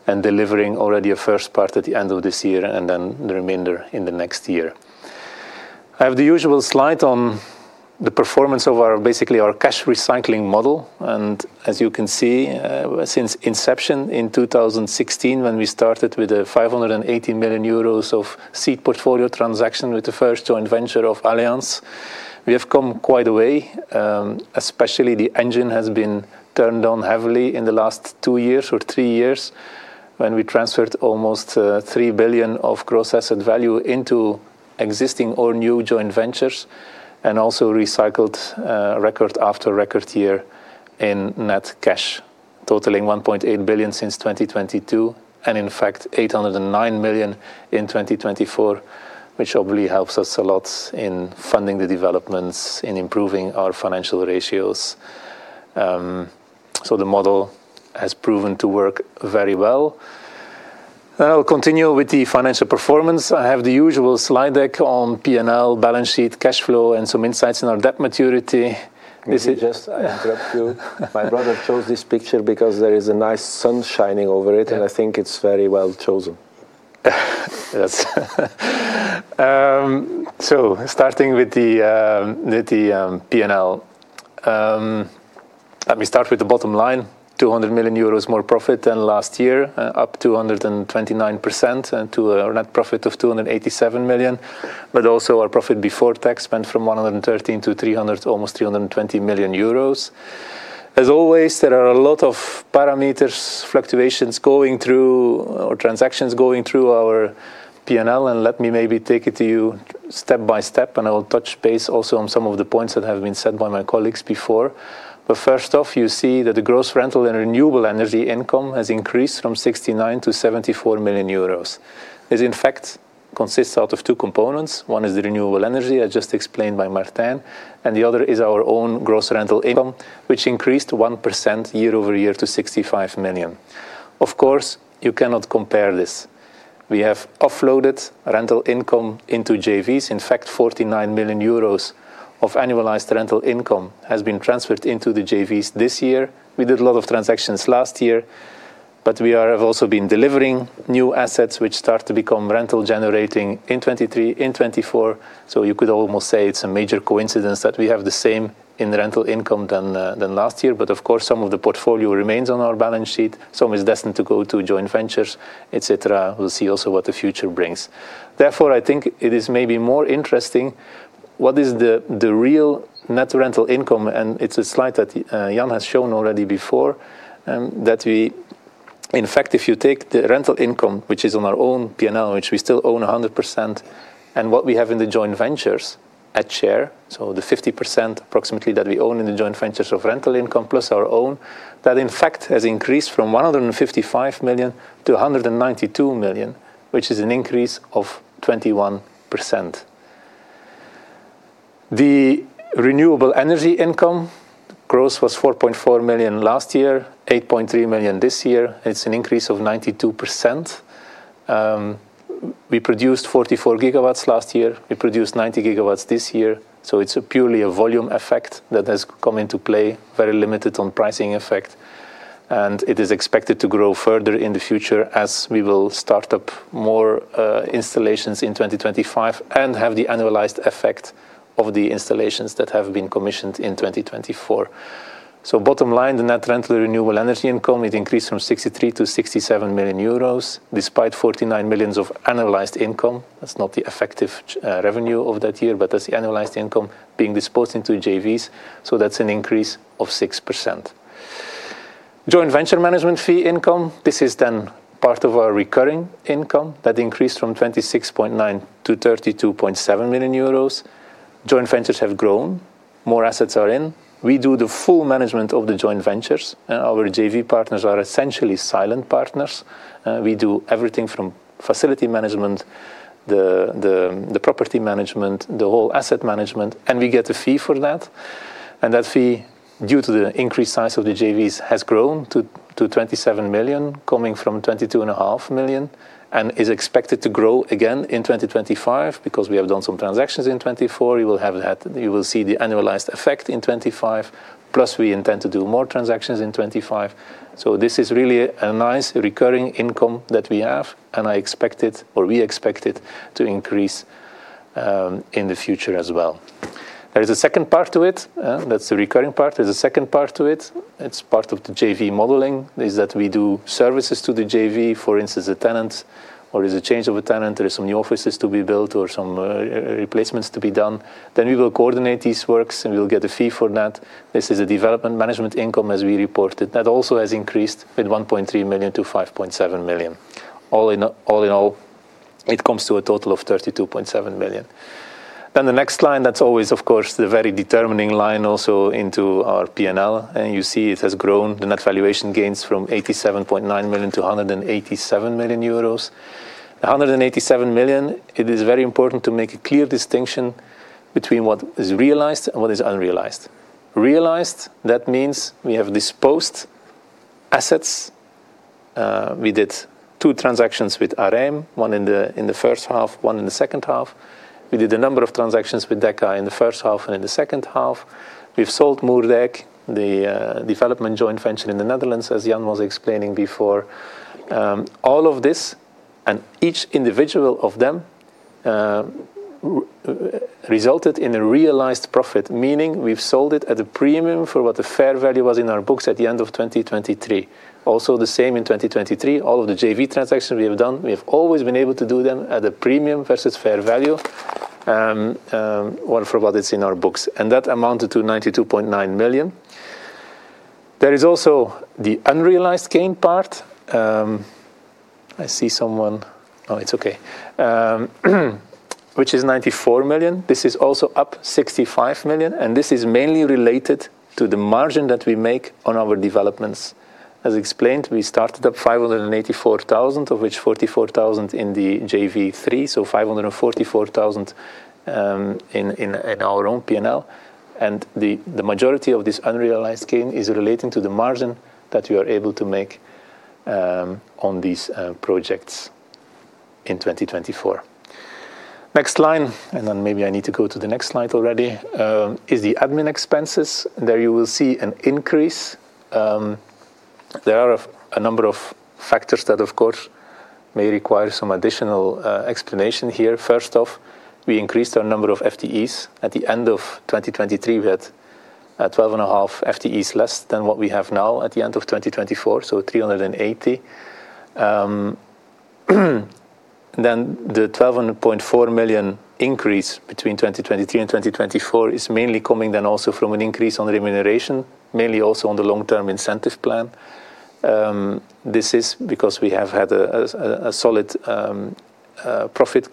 and delivering already a first part at the end of this year and then the remainder in the next year. I have the usual slide on the performance of basically our cash recycling model. And as you can see, since inception in 2016, when we started with a 580 million euros seed portfolio transaction with the first joint venture of Allianz, we have come quite a way, especially the engine has been turned on heavily in the last two years or three years when we transferred almost 3 billion of gross asset value into existing or new joint ventures and also recycled record after record year in net cash, totaling 1.8 billion since 2022 and in fact 809 million in 2024, which obviously helps us a lot in funding the developments, in improving our financial ratios. So the model has proven to work very well. I'll continue with the financial performance. I have the usual slide deck on P&L, balance sheet, cash flow, and some insights in our debt maturity. Can I just interrupt you? My brother chose this picture because there is a nice sun shining over it, and I think it's very well chosen. So starting with the P&L, let me start with the bottom line. 200 million euros more profit than last year, up 229% to a net profit of 287 million. But also our profit before tax went from 113 to almost 320 million euros. As always, there are a lot of parameters, fluctuations going through or transactions going through our P&L, and let me maybe take it to you step by step, and I will touch base also on some of the points that have been said by my colleagues before, but first off, you see that the gross rental and renewable energy income has increased from 69 to 74 million euros. This in fact consists out of two components. One is the renewable energy as just explained by Martin, and the other is our own gross rental income, which increased 1% year over year to 65 million. Of course, you cannot compare this. We have offloaded rental income into JVs. In fact, 49 million euros of annualized rental income has been transferred into the JVs this year. We did a lot of transactions last year, but we have also been delivering new assets which start to become rental generating in 2023, in 2024. So you could almost say it's a major coincidence that we have the same in rental income than last year. But of course, some of the portfolio remains on our balance sheet. Some is destined to go to joint ventures, etc. We'll see also what the future brings. Therefore, I think it is maybe more interesting what is the real net rental income. It's a slide that Jan has shown already before that. We in fact, if you take the rental income, which is on our own P&L, which we still own 100%, and what we have in the joint ventures at share, so the 50% approximately that we own in the joint ventures of rental income plus our own, that in fact has increased from 155 million EUR to 192 million EUR, which is an increase of 21%. The renewable energy income gross was 4.4 million EUR last year, 8.3 million EUR this year. It's an increase of 92%. We produced 44 GW last year. We produced 90 GW this year. It's purely a volume effect that has come into play, very limited on pricing effect. It is expected to grow further in the future as we will start up more installations in 2025 and have the annualized effect of the installations that have been commissioned in 2024. So bottom line, the net rental renewable energy income increased from 63 million euros to 67 million euros despite 49 million of annualized income. That's not the effective revenue of that year, but that's the annualized income being disposed into JVs. So that's an increase of 6%. Joint venture management fee income, this is then part of our recurring income that increased from 26.9 million to 32.7 million euros. Joint ventures have grown. More assets are in. We do the full management of the joint ventures. Our JV partners are essentially silent partners. We do everything from facility management, the property management, the whole asset management, and we get a fee for that. That fee, due to the increased size of the JVs, has grown to 27 million, coming from 22.5 million and is expected to grow again in 2025 because we have done some transactions in 2024. You will see the annualized effect in 2025, plus we intend to do more transactions in 2025. So this is really a nice recurring income that we have, and I expect it, or we expect it to increase in the future as well. There is a second part to it. That's the recurring part. There's a second part to it. It's part of the JV modeling is that we do services to the JV. For instance, a tenant or there's a change of a tenant, there are some new offices to be built or some replacements to be done. Then we will coordinate these works and we'll get a fee for that. This is a development management income as we reported. That also has increased with 1.3 million EUR to 5.7 million EUR. All in all, it comes to a total of 32.7 million EUR. The next line, that's always, of course, the very determining line also into our P&L. You see it has grown. The net valuation gains from 87.9 million EUR to 187 million euros. 187 million, it is very important to make a clear distinction between what is realized and what is unrealized. Realized, that means we have disposed assets. We did two transactions with Areim, one in the first half, one in the second half. We did a number of transactions with Deka in the first half and in the second half. We've sold Moerdijk, the development joint venture in the Netherlands, as Jan was explaining before. All of this and each individual of them resulted in a realized profit, meaning we've sold it at a premium for what the fair value was in our books at the end of 2023. Also the same in 2023. All of the JV transactions we have done, we have always been able to do them at a premium versus fair value, one for what it's in our books. And that amounted to 92.9 million. There is also the unrealized gain part. Which is 94 million. This is also up 65 million. And this is mainly related to the margin that we make on our developments. As explained, we started up 584,000, of which 44,000 in the JV3, so 544,000 in our own P&L. The majority of this unrealized gain is relating to the margin that we are able to make on these projects in 2024. Next line, and then maybe I need to go to the next slide already, is the admin expenses. There you will see an increase. There are a number of factors that, of course, may require some additional explanation here. First off, we increased our number of FTEs. At the end of 2023, we had 12.5 FTEs less than what we have now at the end of 2024, so 380. Then the 12.4 million increase between 2023 and 2024 is mainly coming then also from an increase on remuneration, mainly also on the long-term incentive plan. This is because we have had a solid profit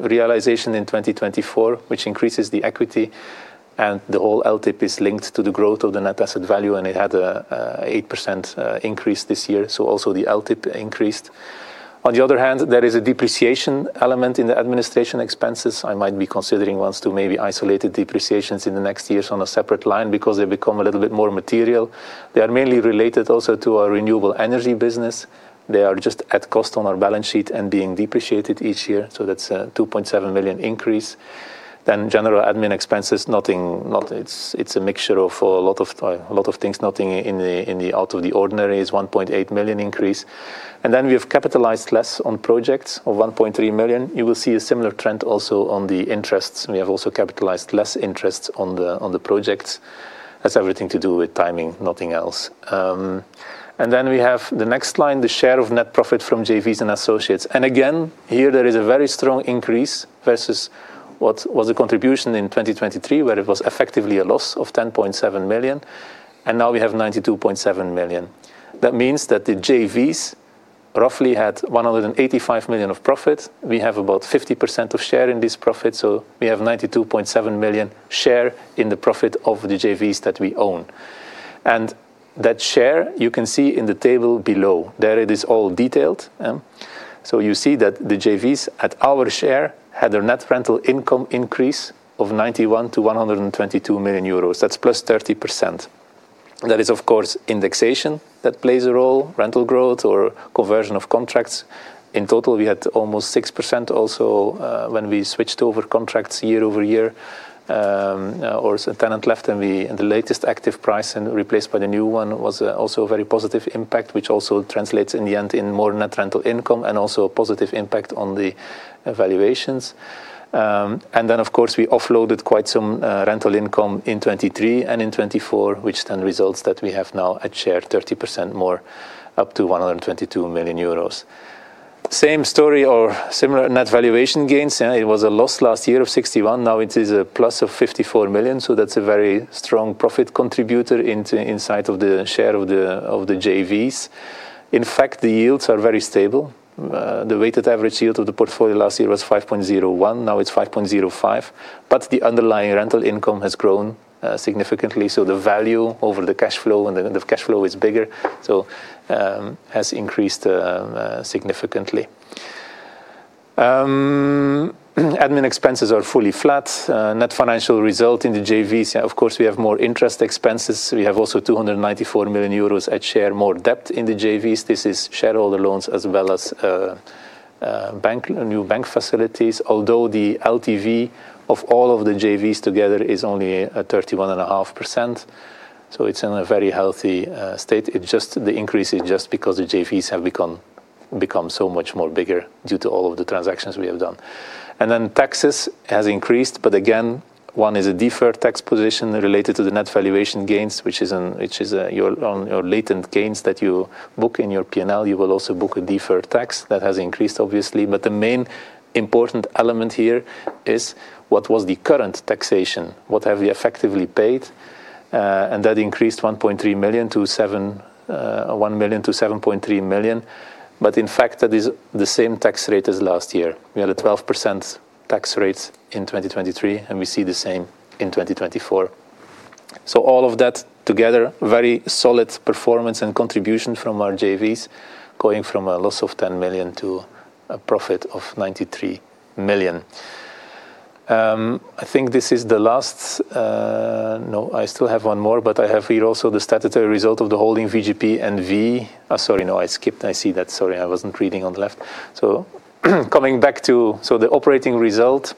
realization in 2024, which increases the equity. The whole LTIP is linked to the growth of the net asset value, and it had an 8% increase this year. So also the LTIP increased. On the other hand, there is a depreciation element in the administration expenses. I might be considering once to maybe isolate depreciations in the next years on a separate line because they become a little bit more material. They are mainly related also to our renewable energy business. They are just at cost on our balance sheet and being depreciated each year. So that's a 2.7 million increase. Then general admin expenses, it's a mixture of a lot of things. Nothing out of the ordinary, 1.8 million increase. And then we have capitalized less on projects of 1.3 million. You will see a similar trend also on the interests. We have also capitalized less interest on the projects. That's everything to do with timing, nothing else. And then we have the next line, the share of net profit from JVs and associates. And again, here there is a very strong increase versus what was the contribution in 2023, where it was effectively a loss of 10.7 million. And now we have 92.7 million. That means that the JVs roughly had 185 million of profit. We have about 50% of share in this profit. So we have 92.7 million share in the profit of the JVs that we own. And that share, you can see in the table below. There it is all detailed. So you see that the JVs at our share had a net rental income increase of 91 million to 122 million euros. That's plus 30%. That is, of course, indexation that plays a role, rental growth or conversion of contracts. In total, we had almost 6% also when we switched over contracts year over year, or a tenant left and the latest active price and replaced by the new one was also a very positive impact, which also translates in the end in more net rental income and also a positive impact on the valuations. Then, of course, we offloaded quite some rental income in 2023 and in 2024, which then results that we have now at share 30% more, up to 122 million euros. Same story or similar net valuation gains. It was a loss last year of 61 million. Now it is a plus of 54 million. That's a very strong profit contributor inside of the share of the JVs. In fact, the yields are very stable. The weighted average yield of the portfolio last year was 5.01%. Now it's 5.05%. But the underlying rental income has grown significantly. So the value over the cash flow and the cash flow is bigger, so has increased significantly. Admin expenses are fully flat. Net financial result in the JVs, of course, we have more interest expenses. We have also 294 million euros at share, more debt in the JVs. This is shareholder loans as well as new bank facilities, although the LTV of all of the JVs together is only 31.5%. So it's in a very healthy state. The increase is just because the JVs have become so much more bigger due to all of the transactions we have done. And then taxes has increased, but again, one is a deferred tax position related to the net valuation gains, which is on your latent gains that you book in your P&L. You will also book a deferred tax that has increased, obviously. But the main important element here is what was the current taxation? What have we effectively paid? And that increased 1.3 million to 1 million to 7.3 million. But in fact, that is the same tax rate as last year. We had a 12% tax rate in 2023, and we see the same in 2024. So all of that together, very solid performance and contribution from our JVs going from a loss of 10 million to a profit of 93 million. I think this is the last. No, I still have one more, but I have here also the statutory result of the holding VGP and VE. Sorry, no, I skipped. I see that. Sorry, I wasn't reading on the left. So coming back to the operating result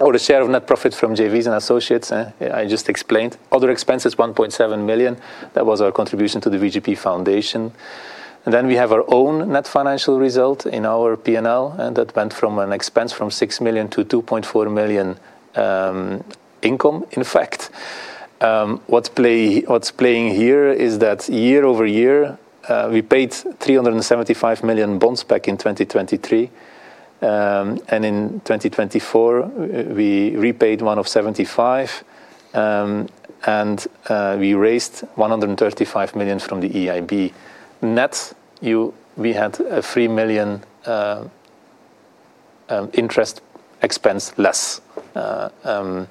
or the share of net profit from JVs and associates, I just explained. Other expenses, 1.7 million. That was our contribution to the VGP foundation. And then we have our own net financial result in our P&L, and that went from an expense of 6 million to 2.4 million income, in fact. What's at play here is that year over year, we paid 375 million bonds back in 2023. And in 2024, we repaid 175. And we raised 135 million from the EIB. Net, we had a 3 million interest expense less. And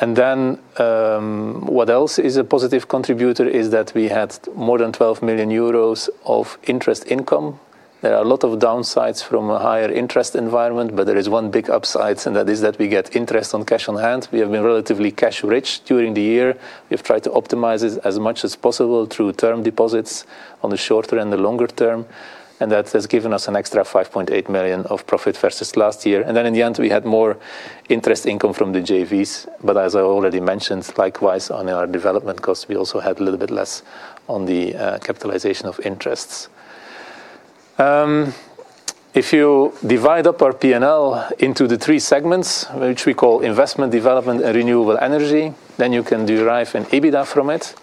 then what else is a positive contributor is that we had more than 12 million euros of interest income. There are a lot of downsides from a higher interest environment, but there is one big upside, and that is that we get interest on cash on hand. We have been relatively cash rich during the year. We've tried to optimize it as much as possible through term deposits on the short term and the longer term. And that has given us an extra 5.8 million of profit versus last year. And then in the end, we had more interest income from the JVs. But as I already mentioned, likewise on our development costs, we also had a little bit less on the capitalization of interests. If you divide up our P&L into the three segments, which we call investment, development, and renewable energy, then you can derive an EBITDA from it.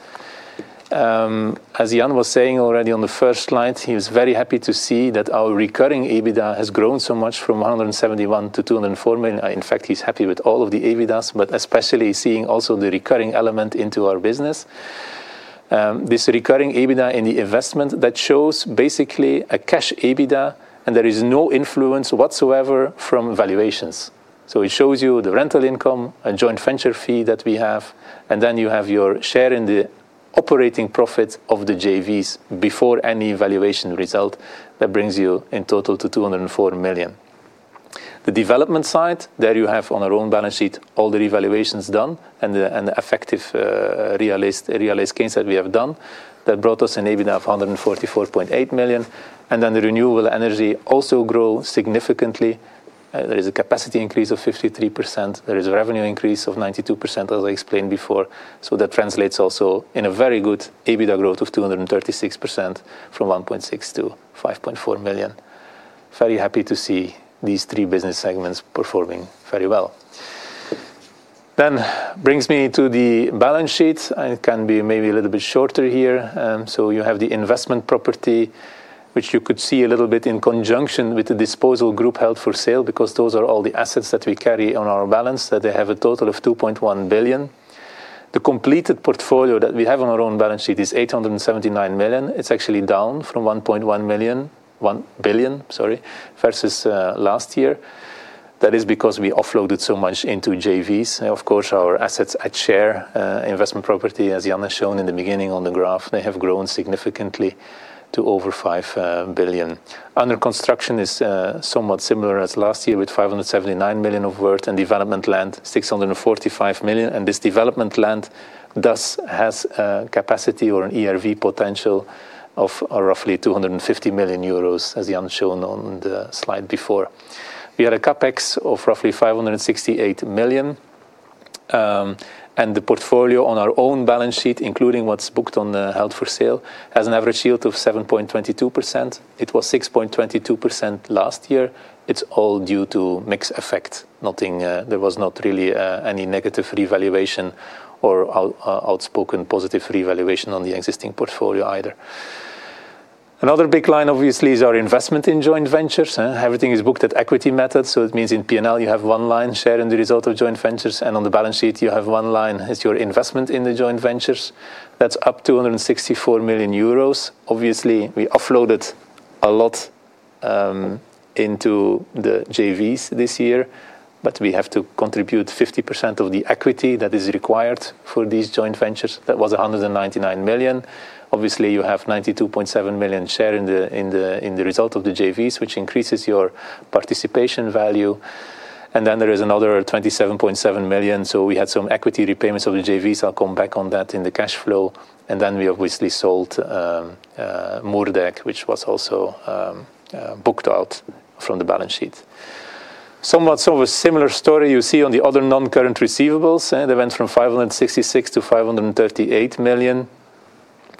As Jan was saying already on the first slide, he was very happy to see that our recurring EBITDA has grown so much from 171 million to 204 million. In fact, he's happy with all of the EBITDAs, but especially seeing also the recurring element into our business. This recurring EBITDA in the investment, that shows basically a cash EBITDA, and there is no influence whatsoever from valuations, so it shows you the rental income, a joint venture fee that we have, and then you have your share in the operating profit of the JVs before any valuation result that brings you in total to 204 million. The development side, there you have on our own balance sheet, all the revaluations done and the effective realized gains that we have done. That brought us an EBITDA of 144.8 million, and then the renewable energy also grows significantly. There is a capacity increase of 53%. There is a revenue increase of 92%, as I explained before, so that translates also in a very good EBITDA growth of 236% from 1.6 million to 5.4 million. Very happy to see these three business segments performing very well. That brings me to the balance sheet. It can be maybe a little bit shorter here. So you have the investment property, which you could see a little bit in conjunction with the disposal group held for sale, because those are all the assets that we carry on our balance sheet that they have a total of 2.1 billion. The completed portfolio that we have on our own balance sheet is 879 million. It's actually down from 1.1 million, 1 billion, sorry, versus last year. That is because we offloaded so much into JVs. Of course, our assets at share investment property, as Jan has shown in the beginning on the graph, they have grown significantly to over 5 billion. Under construction is somewhat similar as last year with 579 million worth and development land, 645 million. This development land does have capacity or an ERV potential of roughly 250 million euros, as Jan showed on the slide before. We had a CapEx of roughly 568 million. The portfolio on our own balance sheet, including what's booked on the held for sale, has an average yield of 7.22%. It was 6.22% last year. It's all due to mix effect. There was not really any negative revaluation or outstanding positive revaluation on the existing portfolio either. Another big line, obviously, is our investment in joint ventures. Everything is booked at equity method. So it means in P&L, you have one line share in the result of joint ventures. On the balance sheet, you have one line as your investment in the joint ventures. That's up 264 million euros. Obviously, we offloaded a lot into the JVs this year, but we have to contribute 50% of the equity that is required for these joint ventures. That was 199 million. Obviously, you have 92.7 million share in the result of the JVs, which increases your participation value. There is another 27.7 million. We had some equity repayments of the JVs. I'll come back on that in the cash flow. We obviously sold Moerdijk, which was also booked out from the balance sheet. Somewhat similar story you see on the other non-current receivables. They went from 566 million to 538 million.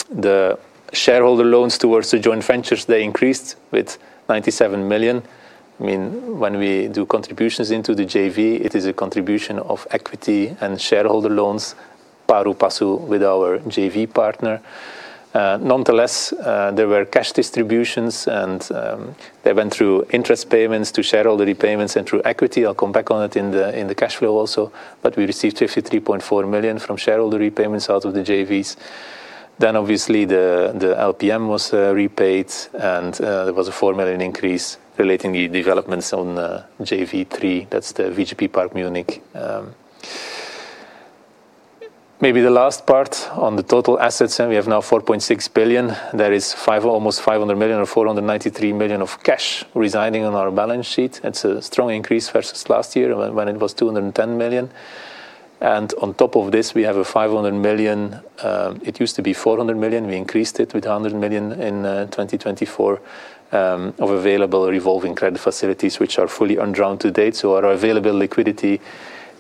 The shareholder loans towards the joint ventures, they increased with 97 million. I mean, when we do contributions into the JV, it is a contribution of equity and shareholder loans pari passu with our JV partner. Nonetheless, there were cash distributions, and they went through interest payments to shareholder repayments and through equity. I'll come back on it in the cash flow also. But we received 53.4 million from shareholder repayments out of the JVs. Then, obviously, the LPM was repaid, and there was a 4 million increase relating to the developments on JV3. That's the VGP Park Munich. Maybe the last part on the total assets. We have now 4.6 billion. There is almost 500 million or 493 million of cash residing on our balance sheet. It's a strong increase versus last year when it was 210 million. And on top of this, we have a 500 million. It used to be 400 million. We increased it with 100 million in 2024 of available revolving credit facilities, which are fully undrawn to date. Our available liquidity is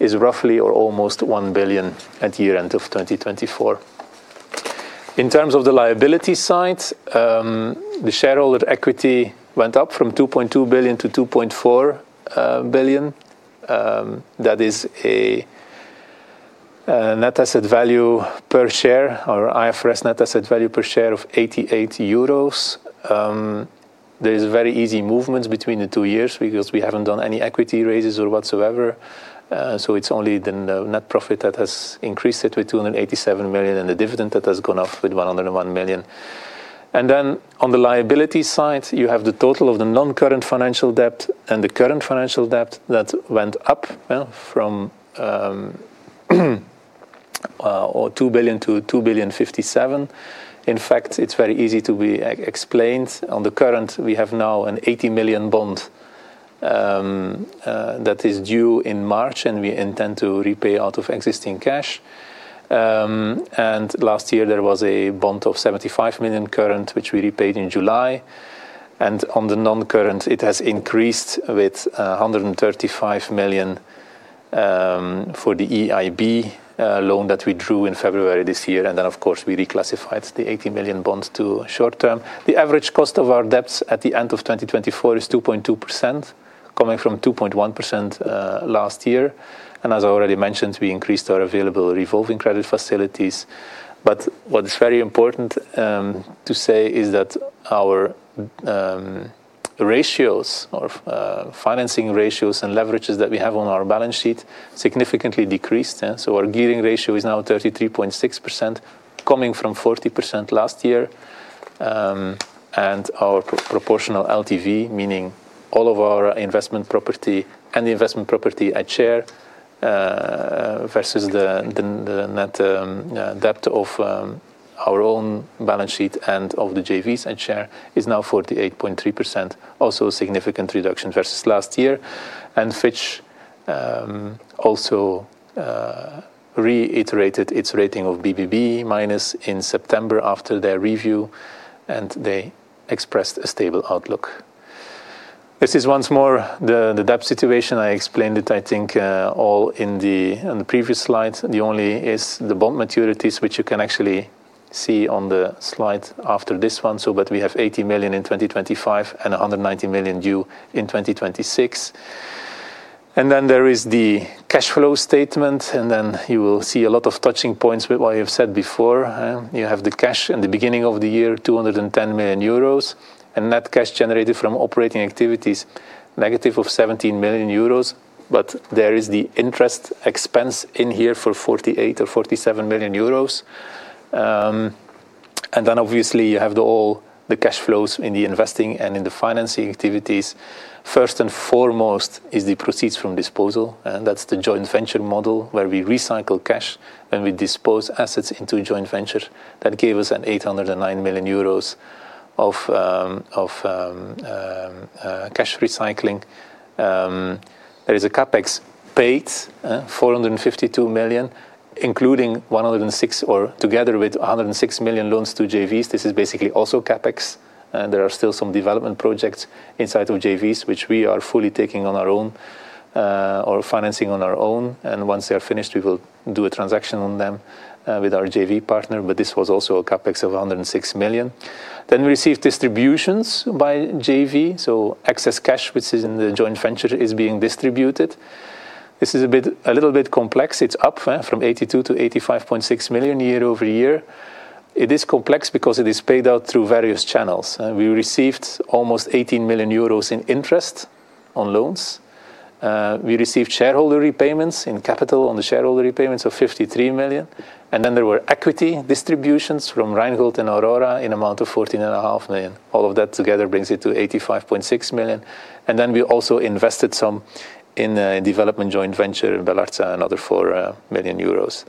roughly or almost 1 billion at year end of 2024. In terms of the liability side, the shareholder equity went up from 2.2 billion to 2.4 billion. That is a net asset value per share or IFRS net asset value per share of 88 euros. There is a very easy movement between the two years because we haven't done any equity raises or whatsoever. So it's only the net profit that has increased it with 287 million and the dividend that has gone up with 101 million. And then on the liability side, you have the total of the non-current financial debt and the current financial debt that went up from 2 billion to 2.057 billion. In fact, it's very easy to be explained. On the current, we have now an 80 million bond that is due in March, and we intend to repay out of existing cash. And last year, there was a bond of 75 million current, which we repaid in July. And on the non-current, it has increased with 135 million for the EIB loan that we drew in February this year. And then, of course, we reclassified the 80 million bonds to short term. The average cost of our debts at the end of 2024 is 2.2%, coming from 2.1% last year. And as I already mentioned, we increased our available revolving credit facilities. But what is very important to say is that our ratios or financing ratios and leverages that we have on our balance sheet significantly decreased. So our gearing ratio is now 33.6%, coming from 40% last year. And our proportional LTV, meaning all of our investment property and the investment property at share versus the net debt of our own balance sheet and of the JVs at share is now 48.3%. Also a significant reduction versus last year. And Fitch also reiterated its rating of BBB minus in September after their review, and they expressed a stable outlook. This is once more the debt situation. I explained it, I think, all in the previous slide. The only is the bond maturities, which you can actually see on the slide after this one. But we have 80 million in 2025 and 190 million due in 2026. And then there is the cash flow statement, and then you will see a lot of touching points with what I have said before. You have the cash in the beginning of the year, 210 million euros, and net cash generated from operating activities, negative of 17 million euros. But there is the interest expense in here for 48 million or 47 million euros. And then obviously, you have all the cash flows in the investing and in the financing activities. First and foremost is the proceeds from disposal. That's the joint venture model where we recycle cash and we dispose assets into a joint venture. That gave us 809 million euros of cash recycling. There is CapEx paid, 452 million, including 106 or together with 106 million loans to JVs. This is basically also CapEx. There are still some development projects inside of JVs, which we are fully taking on our own or financing on our own. And once they are finished, we will do a transaction on them with our JV partner. But this was also a CapEx of 106 million. Then we received distributions by JV. So excess cash, which is in the joint venture, is being distributed. This is a little bit complex. It's up from 82 million to 85.6 million year over year. It is complex because it is paid out through various channels. We received almost 18 million euros in interest on loans. We received shareholder repayments in capital on the shareholder repayments of 53 million. And then there were equity distributions from Reinhold and Aurora in amount of 14.5 million. All of that together brings it to 85.6 million. And then we also invested some in development joint venture in Belartza, another 4 million euros.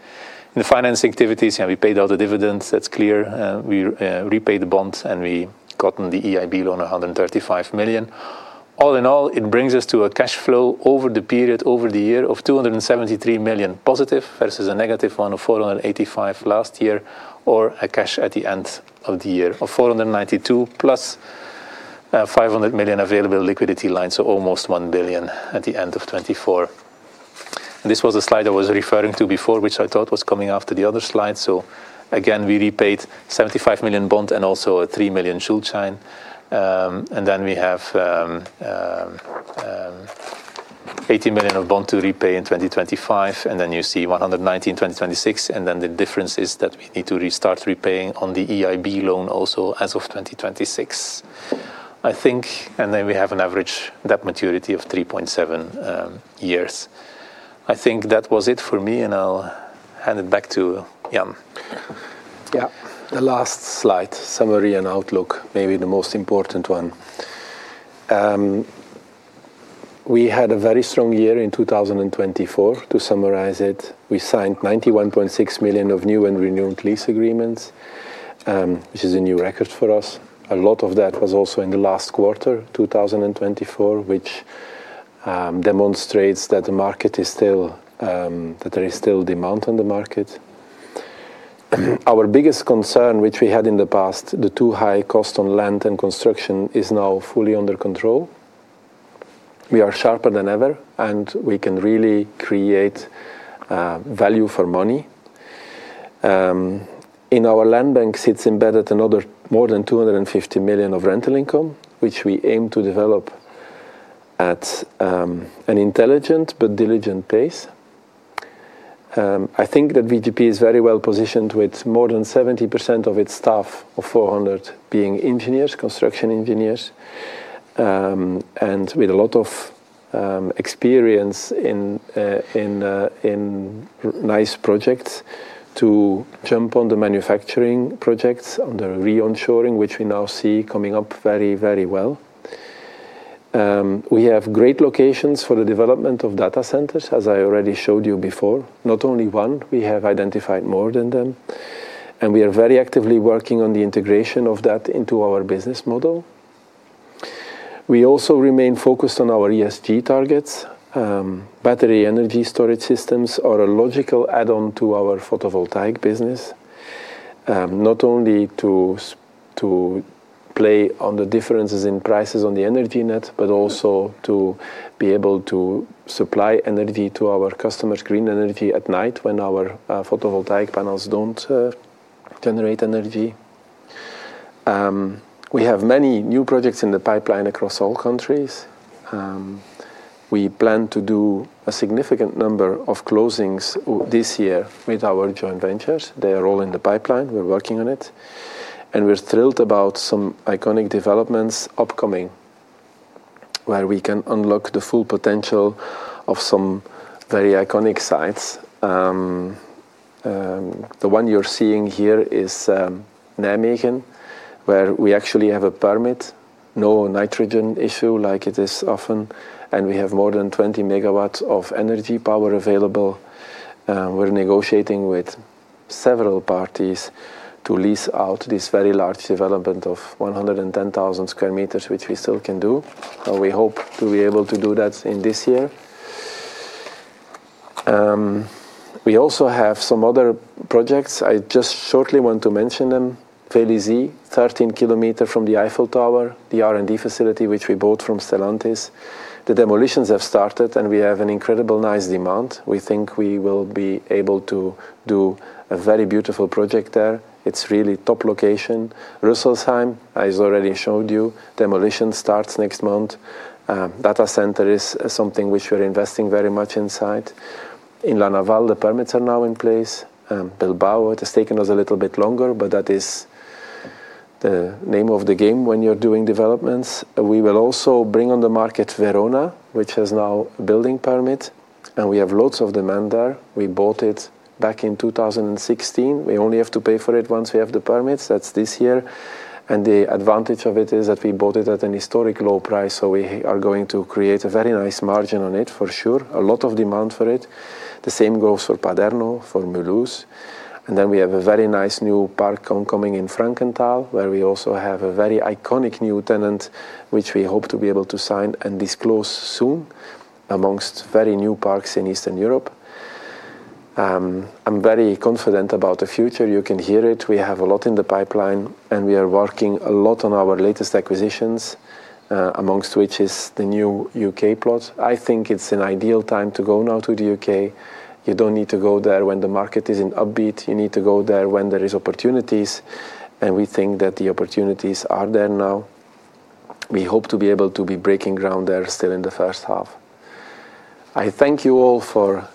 In the financing activities, we paid out the dividends. That's clear. We repaid the bonds, and we got the EIB loan, 135 million. All in all, it brings us to a cash flow over the period, over the year, of 273 million positive versus a negative one of 485 million last year or a cash at the end of the year of 492 million plus 500 million available liquidity line, so almost 1 billion at the end of 2024. This was the slide I was referring to before, which I thought was coming after the other slide, so again, we repaid 75 million bond and also a 3 million Schuldschein, and then we have 80 million of bond to repay in 2025, and then you see 119 million in 2026, and then the difference is that we need to restart repaying on the EIB loan also as of 2026, I think, and then we have an average debt maturity of 3.7 years. I think that was it for me, and I'll hand it back to Jan. Yeah, the last slide, summary and outlook, maybe the most important one. We had a very strong year in 2024. To summarize it, we signed 91.6 million of new and renewed lease agreements, which is a new record for us. A lot of that was also in the last quarter, 2024, which demonstrates that the market is still, that there is still demand on the market. Our biggest concern, which we had in the past, the too high cost on land and construction is now fully under control. We are sharper than ever, and we can really create value for money. In our land bank, it's embedded in other more than 250 million of rental income, which we aim to develop at an intelligent but diligent pace. I think that VGP is very well positioned with more than 70% of its staff of 400 being engineers, construction engineers, and with a lot of experience in nice projects to jump on the manufacturing projects on the re-onshoring, which we now see coming up very, very well. We have great locations for the development of data centers, as I already showed you before. Not only one, we have identified more than them. And we are very actively working on the integration of that into our business model. We also remain focused on our ESG targets. Battery energy storage systems are a logical add-on to our photovoltaic business, not only to play on the differences in prices on the energy net, but also to be able to supply energy to our customers, green energy at night when our photovoltaic panels don't generate energy. We have many new projects in the pipeline across all countries. We plan to do a significant number of closings this year with our joint ventures. They are all in the pipeline. We're working on it, and we're thrilled about some iconic developments upcoming where we can unlock the full potential of some very iconic sites. The one you're seeing here is Nijmegen, where we actually have a permit, no nitrogen issue like it is often, and we have more than 20 MW of energy power available. We're negotiating with several parties to lease out this very large development of 110,000 sq m, which we still can do. We hope to be able to do that in this year. We also have some other projects. I just shortly want to mention them. Vélizy-Villacoublay, 13 km from the Eiffel Tower, the R&D facility, which we bought from Stellantis. The demolitions have started, and we have incredibly nice demand. We think we will be able to do a very beautiful project there. It's really top location. Rüsselsheim, I already showed you. Demolition starts next month. Data center is something which we're investing very much inside. In La Naval, the permits are now in place. Bilbao, it has taken us a little bit longer, but that is the name of the game when you're doing developments. We will also bring on the market Verona, which has now a building permit. And we have lots of demand there. We bought it back in 2016. We only have to pay for it once we have the permits. That's this year. And the advantage of it is that we bought it at an historic low price. So we are going to create a very nice margin on it for sure. A lot of demand for it. The same goes for Paderno, for Mulhouse. And then we have a very nice new park oncoming in Frankenthal, where we also have a very iconic new tenant, which we hope to be able to sign and disclose soon amongst very new parks in Eastern Europe. I'm very confident about the future. You can hear it. We have a lot in the pipeline, and we are working a lot on our latest acquisitions, amongst which is the new U.K. plot. I think it's an ideal time to go now to the U.K. You don't need to go there when the market is in upbeat. You need to go there when there are opportunities. And we think that the opportunities are there now. We hope to be able to be breaking ground there still in the first half. I thank you all for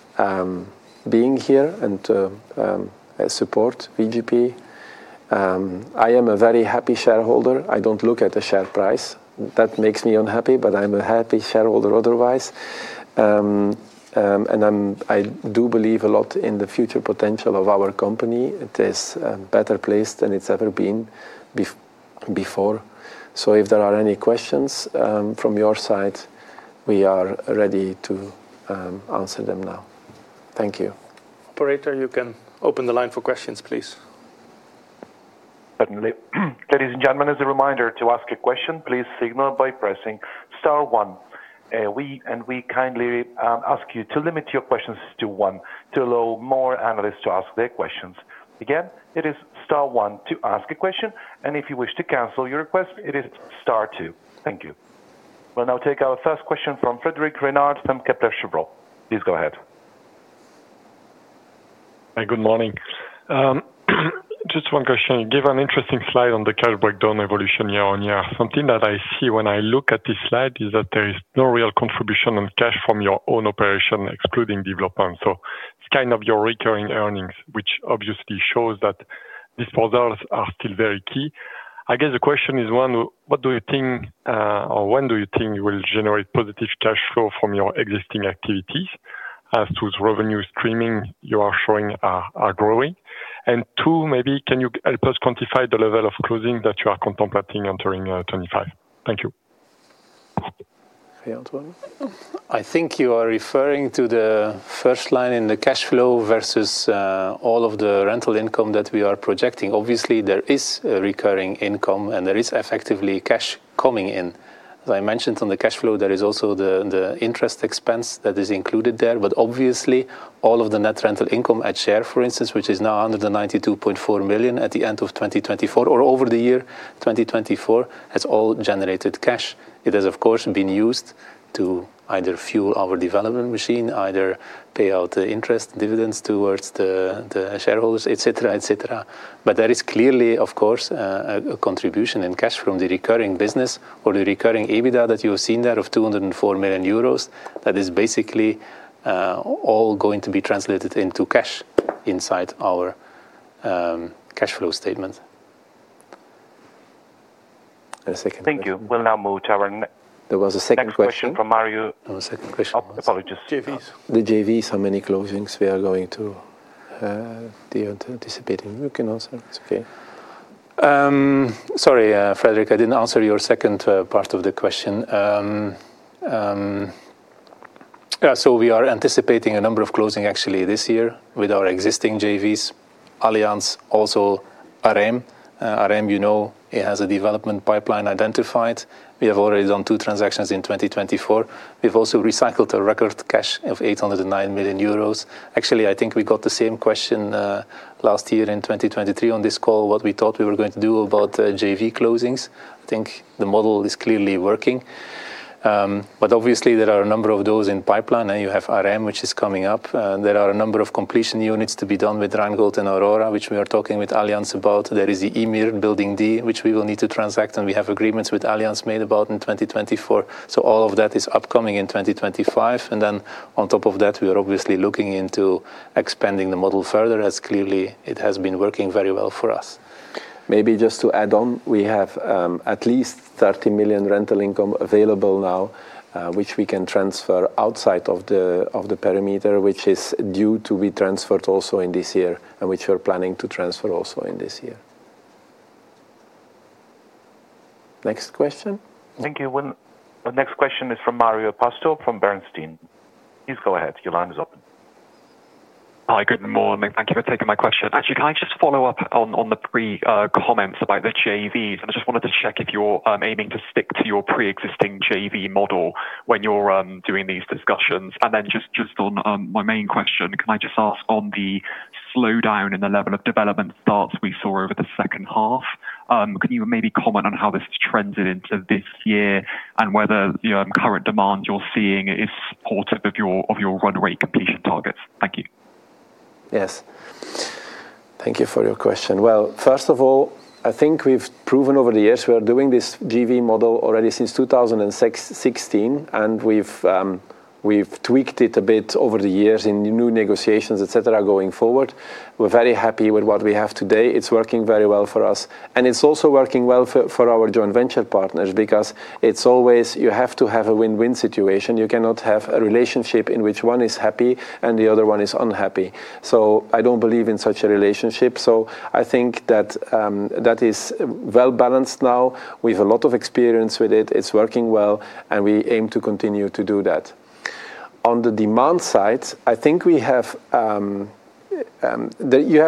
being here and to support VGP. I am a very happy shareholder. I don't look at the share price. That makes me unhappy, but I'm a happy shareholder otherwise. And I do believe a lot in the future potential of our company. It is better placed than it's ever been before. So if there are any questions from your side, we are ready to answer them now. Thank you. Operator, you can open the line for questions, please. Certainly. Ladies and gentlemen, as a reminder to ask a question, please signal by pressing star one. And we kindly ask you to limit your questions to one to allow more analysts to ask their questions. Again, it is star one to ask a question. And if you wish to cancel your request, it is star two. Thank you. We'll now take our first question from Frédéric Renard from Kepler Cheuvreux. Please go ahead. Hi, good morning. Just one question. You gave an interesting slide on the cash breakdown evolution year on year. Something that I see when I look at this slide is that there is no real contribution on cash from your own operation, excluding development. So it's kind of your recurring earnings, which obviously shows that disposals are still very key. I guess the question is one, what do you think, or when do you think you will generate positive cash flow from your existing activities as those revenue streams you're showing are growing? And two, maybe can you help us quantify the level of CapEx that you are contemplating entering 2025? Thank you. I think you are referring to the first line in the cash flow versus all of the rental income that we are projecting. Obviously, there is a recurring income and there is effectively cash coming in. As I mentioned on the cash flow, there is also the interest expense that is included there. But obviously, all of the net rental income at share, for instance, which is now 192.4 million at the end of 2024 or over the year 2024, has all generated cash. It has, of course, been used to either fuel our development machine, either pay out the interest, dividends towards the shareholders, etc., etc. But there is clearly, of course, a contribution in cash from the recurring business or the recurring EBITDA that you have seen there of 204 million euros. That is basically all going to be translated into cash inside our cash flow statement. Thank you. We'll now move to our a second question from Mario. The JVs, how many closings we are going to anticipate? You can answer. It's okay. Sorry, Frederic, I didn't answer your second part of the question. So we are anticipating a number of closings actually this year with our existing JVs, Allianz, also Areim. Areim, you know, it has a development pipeline identified. We have already done two transactions in 2024. We've also recycled a record cash of 809 million euros. Actually, I think we got the same question last year in 2023 on this call, what we thought we were going to do about JV closings. I think the model is clearly working. But obviously, there are a number of those in pipeline. You have Areim, which is coming up. There are a number of completion units to be done with Reingold and Aurora, which we are talking with Allianz about. There is the EMIR building D, which we will need to transact, and we have agreements with Allianz made about in 2024, so all of that is upcoming in 2025. And then on top of that, we are obviously looking into expanding the model further, as clearly it has been working very well for us. Maybe just to add on, we have at least 30 million rental income available now, which we can transfer outside of the perimeter, which is due to be transferred also in this year and which we're planning to transfer also in this year. Next question. Thank you. The next question is from Marios Pastou from Bernstein. Please go ahead. Your line is open. Hi, good morning. Thank you for taking my question. Actually, can I just follow up on the pre-comments about the JVs? And I just wanted to check if you're aiming to stick to your pre-existing JV model when you're doing these discussions. And then just on my main question, can I just ask on the slowdown in the level of development starts we saw over the second half? Can you maybe comment on how this has trended into this year and whether the current demand you're seeing is supportive of your runway completion targets? Thank you. Yes. Thank you for your question. Well, first of all, I think we've proven over the years we are doing this JV model already since 2016, and we've tweaked it a bit over the years in new negotiations, etc., going forward. We're very happy with what we have today. It's working very well for us. It's also working well for our joint venture partners because it's always you have to have a win-win situation. You cannot have a relationship in which one is happy and the other one is unhappy. So I don't believe in such a relationship. So I think that that is well balanced now. We have a lot of experience with it. It's working well, and we aim to continue to do that. On the demand side, I think we have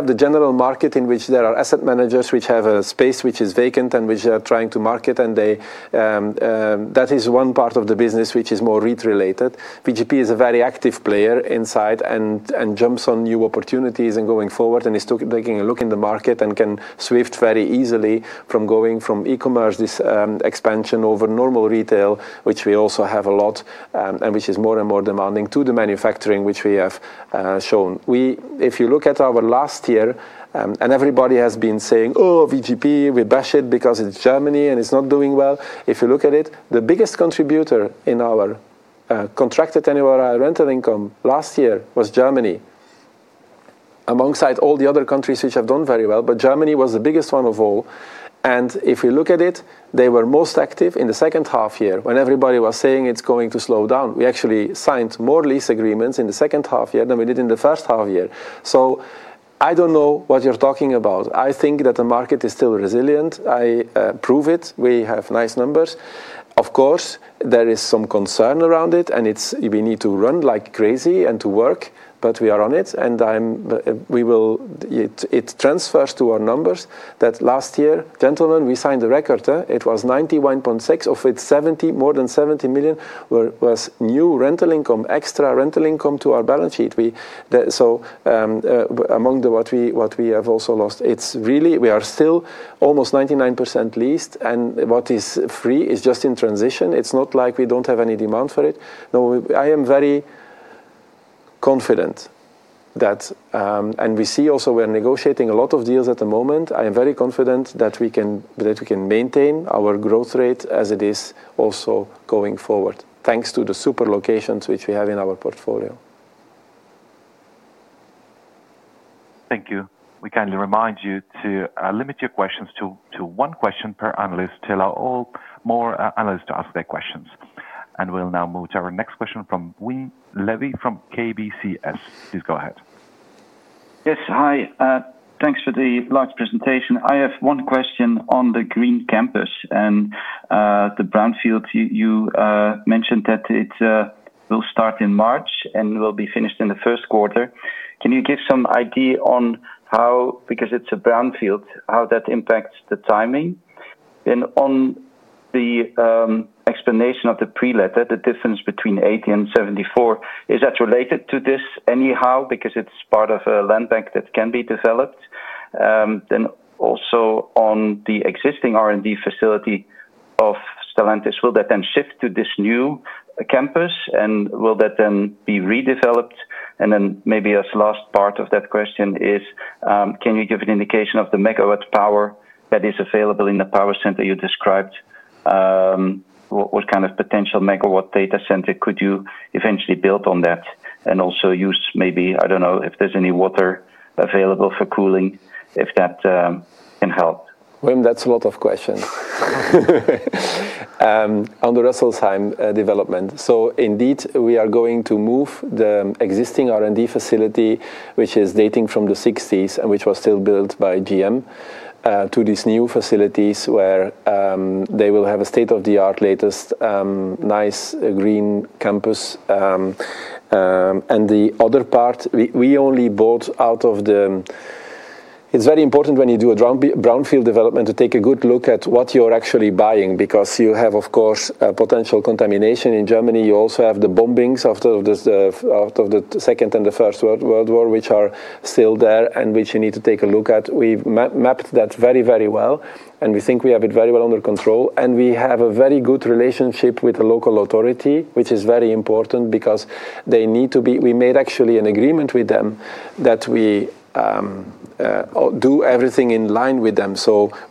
the general market in which there are asset managers which have a space which is vacant and which they are trying to market. That is one part of the business which is more rate-related. VGP is a very active player in size and jumps on new opportunities and going forward and is taking a look in the market and can shift very easily from going from e-commerce expansion over normal retail, which we also have a lot and which is more and more demanding to the manufacturing, which we have shown. If you look at our last year, and everybody has been saying, "Oh, VGP, we bash it because it's Germany and it's not doing well." If you look at it, the biggest contributor in our contracted annual rental income last year was Germany, alongside all the other countries which have done very well. But Germany was the biggest one of all, and if we look at it, they were most active in the second half year when everybody was saying it's going to slow down. We actually signed more lease agreements in the second half year than we did in the first half year. So I don't know what you're talking about. I think that the market is still resilient. I prove it. We have nice numbers. Of course, there is some concern around it, and we need to run like crazy and to work, but we are on it, and it transfers to our numbers that last year, gentlemen, we signed a record. It was 91.6 million of which 70, more than 70 million was new rental income, extra rental income to our balance sheet. So, net of what we have also lost, it's really we are still almost 99% leased, and what is free is just in transition. It's not like we don't have any demand for it. No, I am very confident that, and we see also we're negotiating a lot of deals at the moment. I am very confident that we can maintain our growth rate as it is also going forward, thanks to the super locations which we have in our portfolio. Thank you. We kindly remind you to limit your questions to one question per analyst till all more analysts to ask their questions. And we'll now move to our next question from Lewi from KBCS. Please go ahead. Yes, hi. Thanks for the large presentation. I have one question on the green campus and the brownfields. You mentioned that it will start in March and will be finished in the first quarter. Can you give some idea on how, because it's a brownfield, how that impacts the timing? Then on the explanation of the pre-letter, the difference between 80 and 74, is that related to this anyhow because it's part of a land bank that can be developed? Then also on the existing R&D facility of Stellantis, will that then shift to this new campus and will that then be redeveloped? And then maybe as last part of that question is, can you give an indication of the MW power that is available in the power center you described? What kind of potential MW data center could you eventually build on that and also use maybe, I don't know if there's any water available for cooling, if that can help? Well, that's a lot of questions. On the Rüsselsheim development, so indeed we are going to move the existing R&D facility, which is dating from the 60s and which was still built by GM, to these new facilities where they will have a state-of-the-art latest nice green campus. The other part, we only bought out of the. It's very important when you do a brownfield development to take a good look at what you're actually buying because you have, of course, potential contamination in Germany. You also have the bombings of the Second and the First World War, which are still there and which you need to take a look at. We've mapped that very, very well, and we think we have it very well under control. We have a very good relationship with the local authority, which is very important because they need to be. We made actually an agreement with them that we do everything in line with them.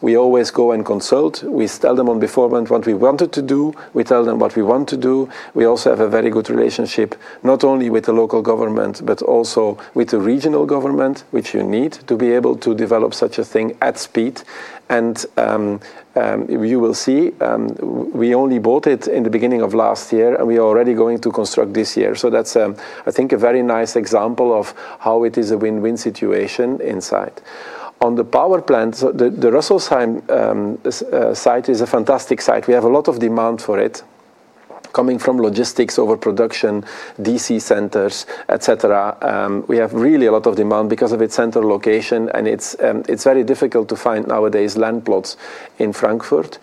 We always go and consult. We tell them on the forefront what we wanted to do. We tell them what we want to do. We also have a very good relationship not only with the local government, but also with the regional government, which you need to be able to develop such a thing at speed. You will see we only bought it in the beginning of last year, and we are already going to construct this year. That's, I think, a very nice example of how it is a win-win situation inside. On the power plant, the Rüsselsheim site is a fantastic site. We have a lot of demand for it coming from logistics, overproduction, DC centers, etc. We have really a lot of demand because of its center location, and it's very difficult to find nowadays land plots in Frankfurt.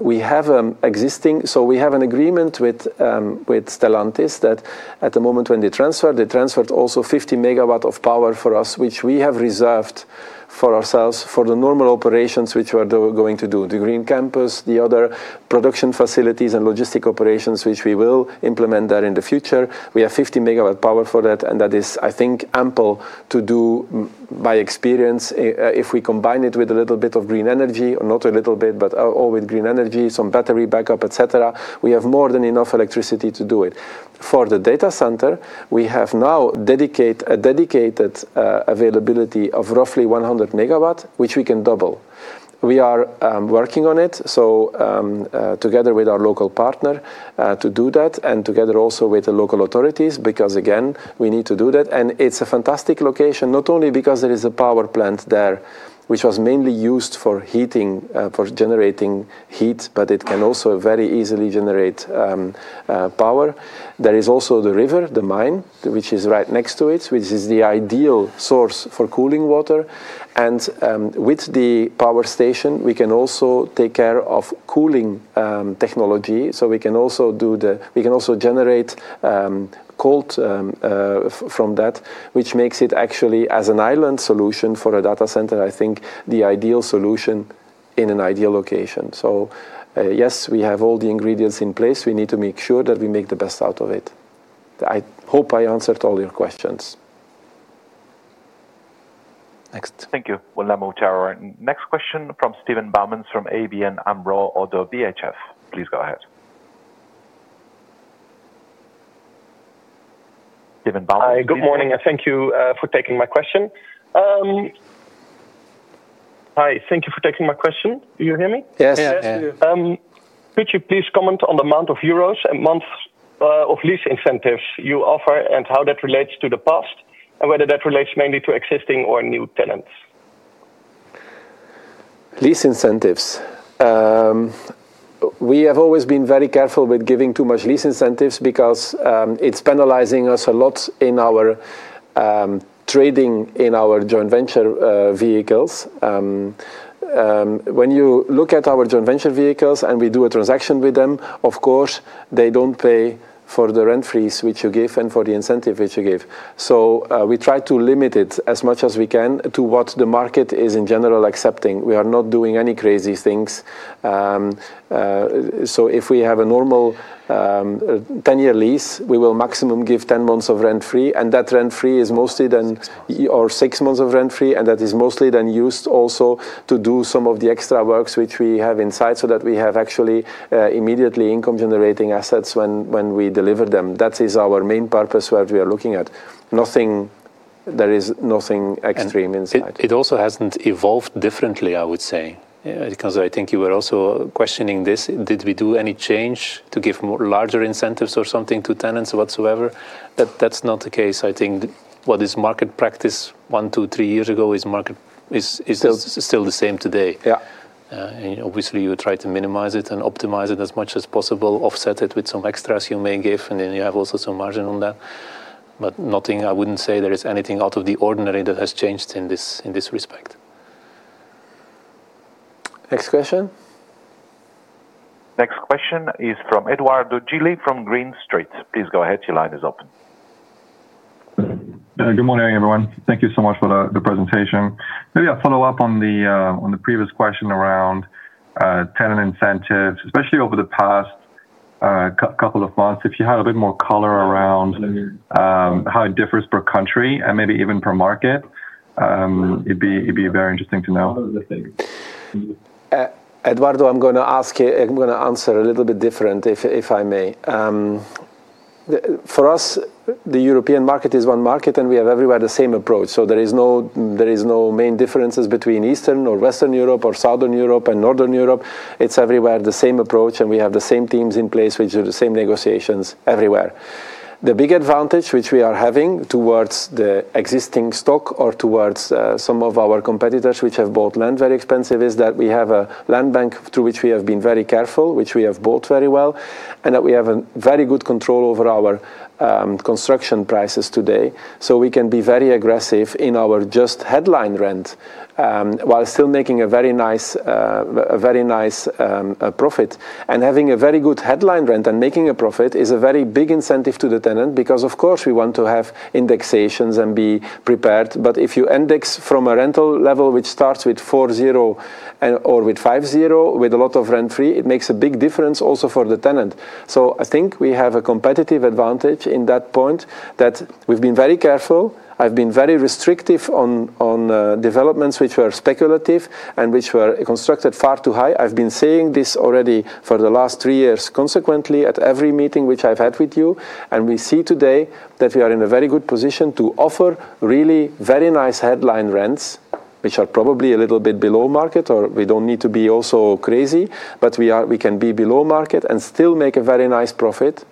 We have an existing, so we have an agreement with Stellantis that at the moment when they transferred, they transferred also 50 MW of power for us, which we have reserved for ourselves for the normal operations which we are going to do, the green campus, the other production facilities and logistic operations, which we will implement there in the future. We have 50 MW power for that, and that is, I think, ample to do by experience if we combine it with a little bit of green energy, or not a little bit, but all with green energy, some battery backup, etc. We have more than enough electricity to do it. For the data center, we have now a dedicated availability of roughly 100 MW, which we can double. We are working on it, so together with our local partner to do that and together also with the local authorities because, again, we need to do that, and it's a fantastic location, not only because there is a power plant there, which was mainly used for heating, for generating heat, but it can also very easily generate power. There is also the river, the Main, which is right next to it, which is the ideal source for cooling water, and with the power station, we can also take care of cooling technology, so we can also generate cold from that, which makes it actually, as an island solution for a data center, I think the ideal solution in an ideal location. So yes, we have all the ingredients in place. We need to make sure that we make the best out of it. I hope I answered all your questions. Next. Thank you. We'll now move to our next question from Steven Boumans from ABN AMRO-ODDO BHF. Please go ahead. Steven Boumans. Hi, good morning. Thank you for taking my question. Hi, thank you for taking my question. Do you hear me? Yes, yes. Could you please comment on the amount of euros and months of lease incentives you offer and how that relates to the past and whether that relates mainly to existing or new tenants? Lease incentives. We have always been very careful with giving too much lease incentives because it's penalizing us a lot in our trading in our joint venture vehicles. When you look at our joint venture vehicles and we do a transaction with them, of course, they don't pay for the rent-free which you give and for the incentive which you give. So we try to limit it as much as we can to what the market is in general accepting. We are not doing any crazy things. So if we have a normal 10-year lease, we will maximum give 10 months of rent-free, and that rent-free is mostly then, or six months of rent-free, and that is mostly then used also to do some of the extra works which we have inside so that we have actually immediately income-generating assets when we deliver them. That is our main purpose where we are looking at. Nothing, there is nothing extreme inside. It also hasn't evolved differently, I would say, because I think you were also questioning this. Did we do any change to give larger incentives or something to tenants whatsoever? That's not the case. I think what is market practice one, two, three years ago is still the same today. Yeah. And obviously, you try to minimize it and optimize it as much as possible, offset it with some extras you may give, and then you have also some margin on that. But nothing, I wouldn't say there is anything out of the ordinary that has changed in this respect. Next question. Next question is from Edoardo Gili from Green Street. Please go ahead. Your line is open. Good morning, everyone. Thank you so much for the presentation. Maybe I'll follow up on the previous question around tenant incentives, especially over the past couple of months, if you had a bit more color around how it differs per country and maybe even per market. It'd be very interesting to know. Edoardo, I'm going to ask you, I'm going to answer a little bit different, if I may. For us, the European market is one market, and we have everywhere the same approach. So there are no main differences between Eastern or Western Europe or Southern Europe and Northern Europe. It's everywhere the same approach, and we have the same teams in place, which are the same negotiations everywhere. The big advantage which we are having towards the existing stock or towards some of our competitors which have bought land very expensive is that we have a land bank through which we have been very careful, which we have bought very well, and that we have very good control over our construction prices today. So we can be very aggressive in our just headline rent while still making a very nice profit. And having a very good headline rent and making a profit is a very big incentive to the tenant because, of course, we want to have indexations and be prepared. But if you index from a rental level which starts with four-zero or with five-zero with a lot of rent free, it makes a big difference also for the tenant. So I think we have a competitive advantage in that point that we've been very careful. I've been very restrictive on developments which were speculative and which were constructed far too high. I've been saying this already for the last three years consequently at every meeting which I've had with you, and we see today that we are in a very good position to offer really very nice headline rents, which are probably a little bit below market, or we don't need to be also crazy, but we can be below market and still make a very nice profit.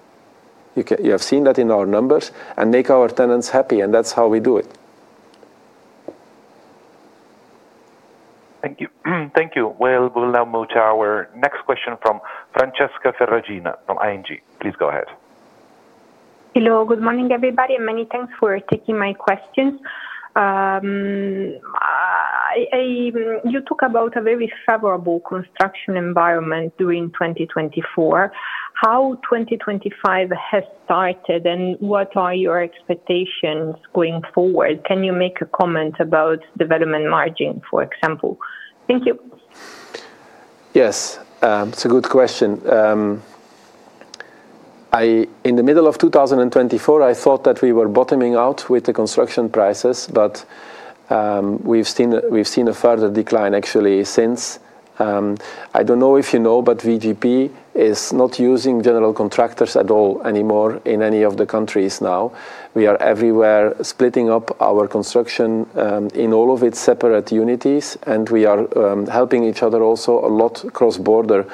You have seen that in our numbers and make our tenants happy, and that's how we do it. Thank you. Thank you. We'll now move to our next question from Francesca Ferragina from ING. Please go ahead. Hello. Good morning, everybody, and many thanks for taking my questions. You talk about a very favorable construction environment during 2024. How 2025 has started and what are your expectations going forward? Can you make a comment about development margin, for example? Thank you. Yes, it's a good question. In the middle of 2024, I thought that we were bottoming out with the construction prices, but we've seen a further decline actually since. I don't know if you know, but VGP is not using general contractors at all anymore in any of the countries now. We are everywhere splitting up our construction in all of its separate units, and we are helping each other also a lot cross-border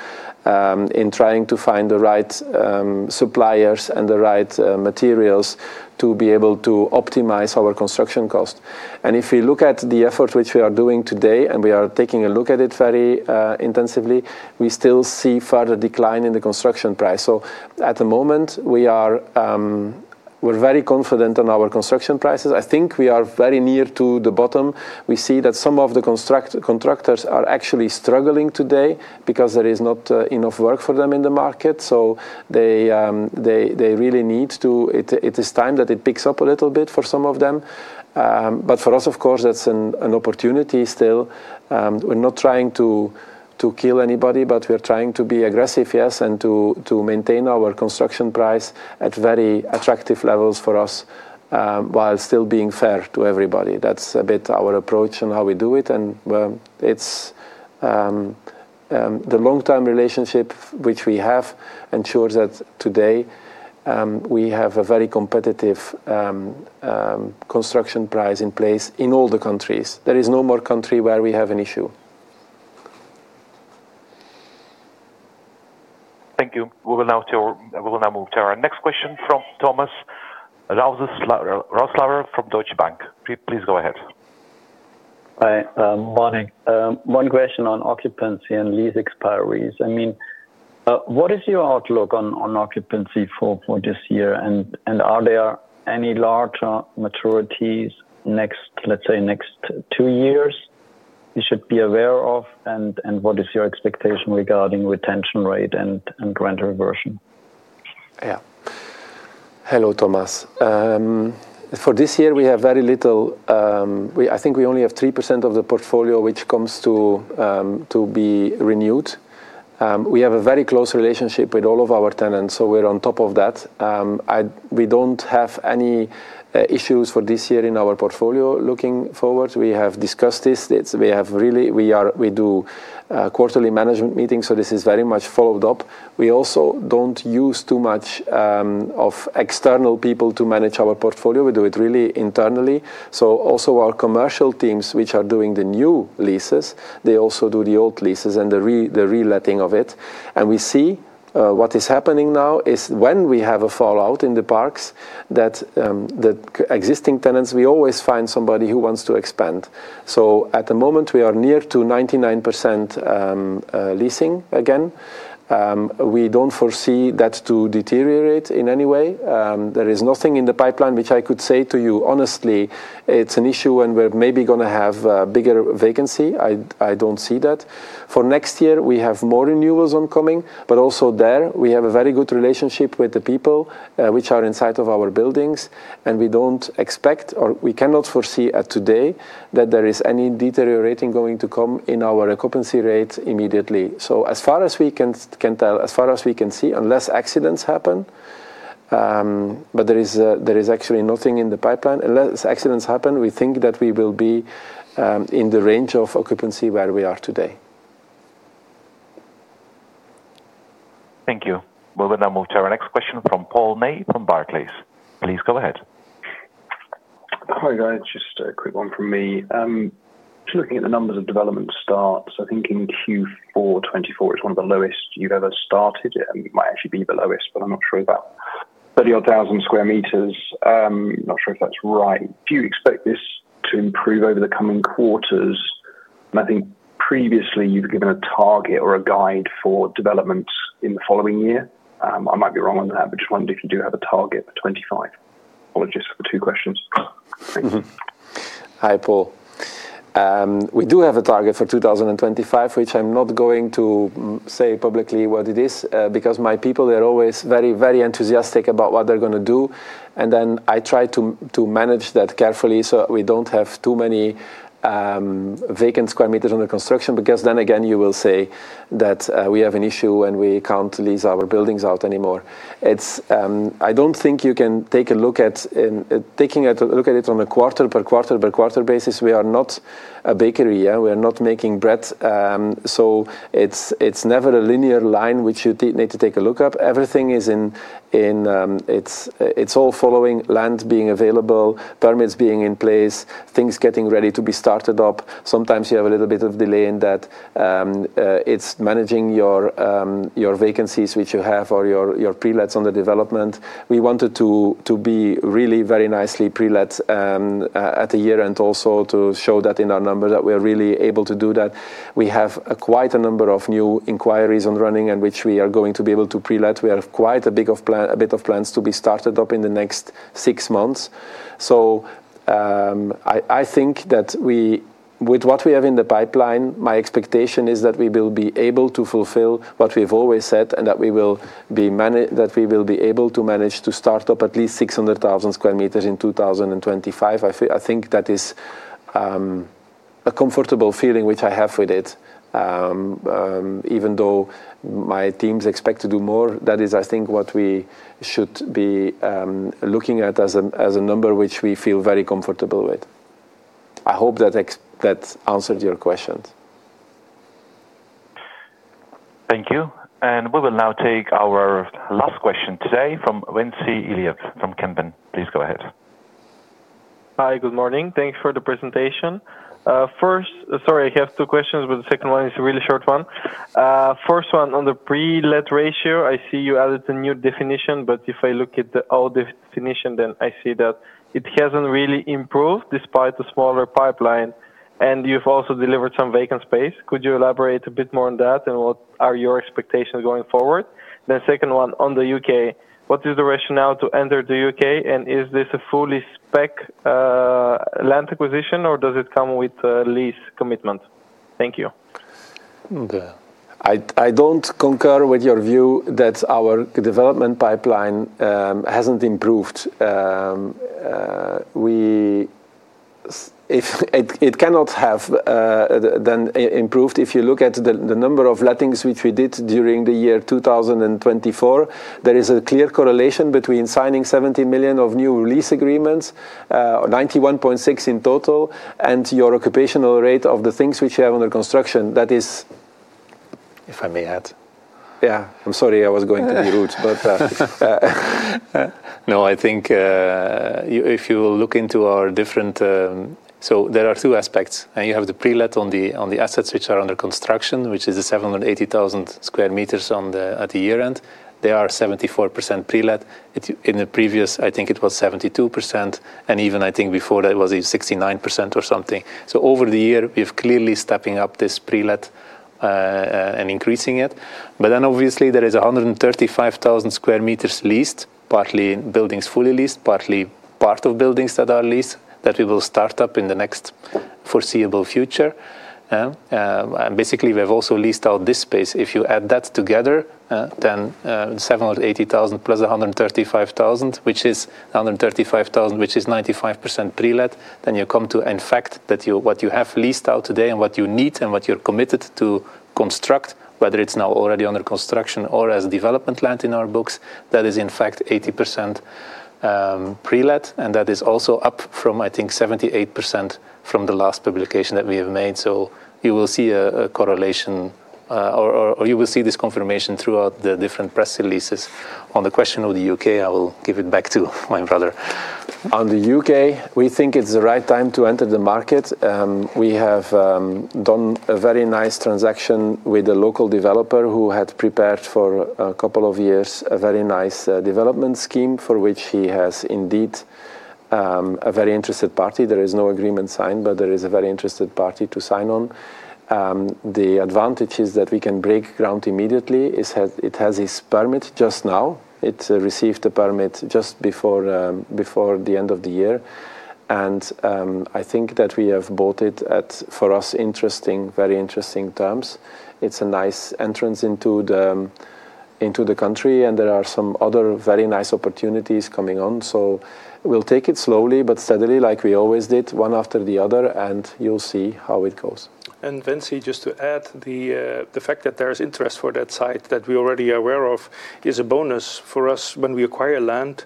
in trying to find the right suppliers and the right materials to be able to optimize our construction cost, and if we look at the effort which we are doing today and we are taking a look at it very intensively, we still see further decline in the construction price. So at the moment, we're very confident on our construction prices. I think we are very near to the bottom. We see that some of the contractors are actually struggling today because there is not enough work for them in the market. So they really need to, it is time that it picks up a little bit for some of them. But for us, of course, that's an opportunity still. We're not trying to kill anybody, but we're trying to be aggressive, yes, and to maintain our construction price at very attractive levels for us while still being fair to everybody. That's a bit our approach and how we do it. And it's the long-term relationship which we have ensures that today we have a very competitive construction price in place in all the countries. There is no more country where we have an issue. Thank you. We will now move to our next question from Thomas Rothaeusler from Deutsche Bank. Please go ahead. Hi, morning. One question on occupancy and lease expires. I mean, what is your outlook on occupancy for this year? And are there any larger maturities next, let's say, next two years you should be aware of? And what is your expectation regarding retention rate and rent reversion? Yeah. Hello, Thomas. For this year, we have very little. I think we only have 3% of the portfolio which comes to be renewed. We have a very close relationship with all of our tenants, so we're on top of that. We don't have any issues for this year in our portfolio looking forward. We have discussed this. We do quarterly management meetings, so this is very much followed up. We also don't use too much of external people to manage our portfolio. We do it really internally. So also our commercial teams, which are doing the new leases, they also do the old leases and the reletting of it. And we see what is happening now is when we have a fallout in the parks, that existing tenants, we always find somebody who wants to expand. So at the moment, we are near to 99% leasing again. We don't foresee that to deteriorate in any way. There is nothing in the pipeline which I could say to you honestly. It's an issue when we're maybe going to have a bigger vacancy. I don't see that. For next year, we have more renewals oncoming, but also there, we have a very good relationship with the people which are inside of our buildings. We don't expect, or we cannot foresee as of today that there is any deteriorating going to come in our occupancy rate immediately. So as far as we can tell, as far as we can see, unless accidents happen, but there is actually nothing in the pipeline. Unless accidents happen, we think that we will be in the range of occupancy where we are today. Thank you. We'll now move to our next question from Paul May from Barclays. Please go ahead. Hi, guys. Just a quick one from me. Just looking at the numbers of development starts, I think in Q4 2024, it's one of the lowest you've ever started. It might actually be the lowest, but I'm not sure about 30-odd thousand sq m. Not sure if that's right. Do you expect this to improve over the coming quarters? I think previously, you've given a target or a guide for development in the following year. I might be wrong on that, but just wondering if you do have a target for 2025. Apologies for the two questions. Hi, Paul. We do have a target for 2025, which I'm not going to say publicly what it is because my people, they're always very, very enthusiastic about what they're going to do. And then I try to manage that carefully so we don't have too many vacant sq m under construction because then again, you will say that we have an issue and we can't lease our buildings out anymore. I don't think you can take a look at it on a quarter-by-quarter basis. We are not a bakery. We are not making bread. So it's never a linear line which you need to take a look at. Everything is in, it's all following land being available, permits being in place, things getting ready to be started up. Sometimes you have a little bit of delay in that. It's managing your vacancies which you have or your prelets on the development. We wanted to be really very nicely prelets at a year and also to show that in our numbers that we are really able to do that. We have quite a number of new inquiries ongoing and which we are going to be able to prelet. We have quite a bit of plans to be started up in the next six months. So I think that with what we have in the pipeline, my expectation is that we will be able to fulfill what we've always said and that we will be able to manage to start up at least 600,000 sq m in 2025. I think that is a comfortable feeling which I have with it, even though my teams expect to do more. That is, I think, what we should be looking at as a number which we feel very comfortable with. I hope that answered your questions. Thank you. And we will now take our last question today from Vincent Elliott from Kempen. Please go ahead. Hi, good morning. Thanks for the presentation. Sorry, I have two questions, but the second one is a really short one. First one, on the pre-let ratio, I see you added a new definition, but if I look at the old definition, then I see that it hasn't really improved despite a smaller pipeline. And you've also delivered some vacant space. Could you elaborate a bit more on that and what are your expectations going forward? the second one, on the U.K., what is the rationale to enter the U.K.? And is this a fully spec land acquisition, or does it come with a lease commitment? Thank you. I don't concur with your view that our development pipeline hasn't improved. It cannot have then improved. If you look at the number of lettings which we did during the year 2024, there is a clear correlation between signing 70 million of new lease agreements, 91.6 million in total, and your occupational rate of the things which you have under construction. That is, if I may add. Yeah, I'm sorry, I was going to be rude, but. No, I think if you will look into our different, so there are two aspects. And you have the prelet on the assets which are under construction, which is the 780,000 sq m at the year end. They are 74% prelet. In the previous, I think it was 72%, and even I think before that it was 69% or something. So over the year, we have clearly stepping up this pre-let and increasing it. But then obviously, there is 135,000 sq m leased, partly buildings fully leased, partly part of buildings that are leased that we will start up in the next foreseeable future. Basically, we have also leased out this space. If you add that together, then 780,000 plus 135,000, which is 135,000, which is 95% pre-let, then you come to, in fact, that what you have leased out today and what you need and what you're committed to construct, whether it's now already under construction or as development land in our books, that is in fact 80% pre-let. That is also up from, I think, 78% from the last publication that we have made. So you will see a correlation, or you will see this confirmation throughout the different press releases. On the question of the U.K., I will give it back to my brother. On the U.K., we think it's the right time to enter the market. We have done a very nice transaction with a local developer who had prepared for a couple of years a very nice development scheme for which he has indeed a very interested party. There is no agreement signed, but there is a very interested party to sign on. The advantage is that we can break ground immediately. It has his permit just now. It received a permit just before the end of the year. And I think that we have bought it at, for us, interesting, very interesting terms. It's a nice entrance into the country, and there are some other very nice opportunities coming on. So we'll take it slowly, but steadily, like we always did, one after the other, and you'll see how it goes. And Ventsi, just to add, the fact that there is interest for that site that we're already aware of is a bonus for us. When we acquire land,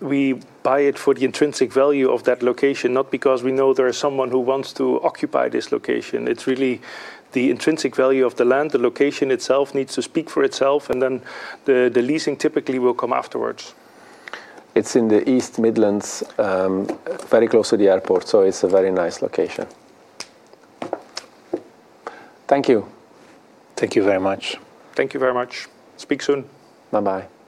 we buy it for the intrinsic value of that location, not because we know there is someone who wants to occupy this location. It's really the intrinsic value of the land. The location itself needs to speak for itself, and then the leasing typically will come afterwards. It's in the East Midlands, very close to the airport, so it's a very nice location. Thank you. Thank you very much. Thank you very much. Speak soon. Bye-bye.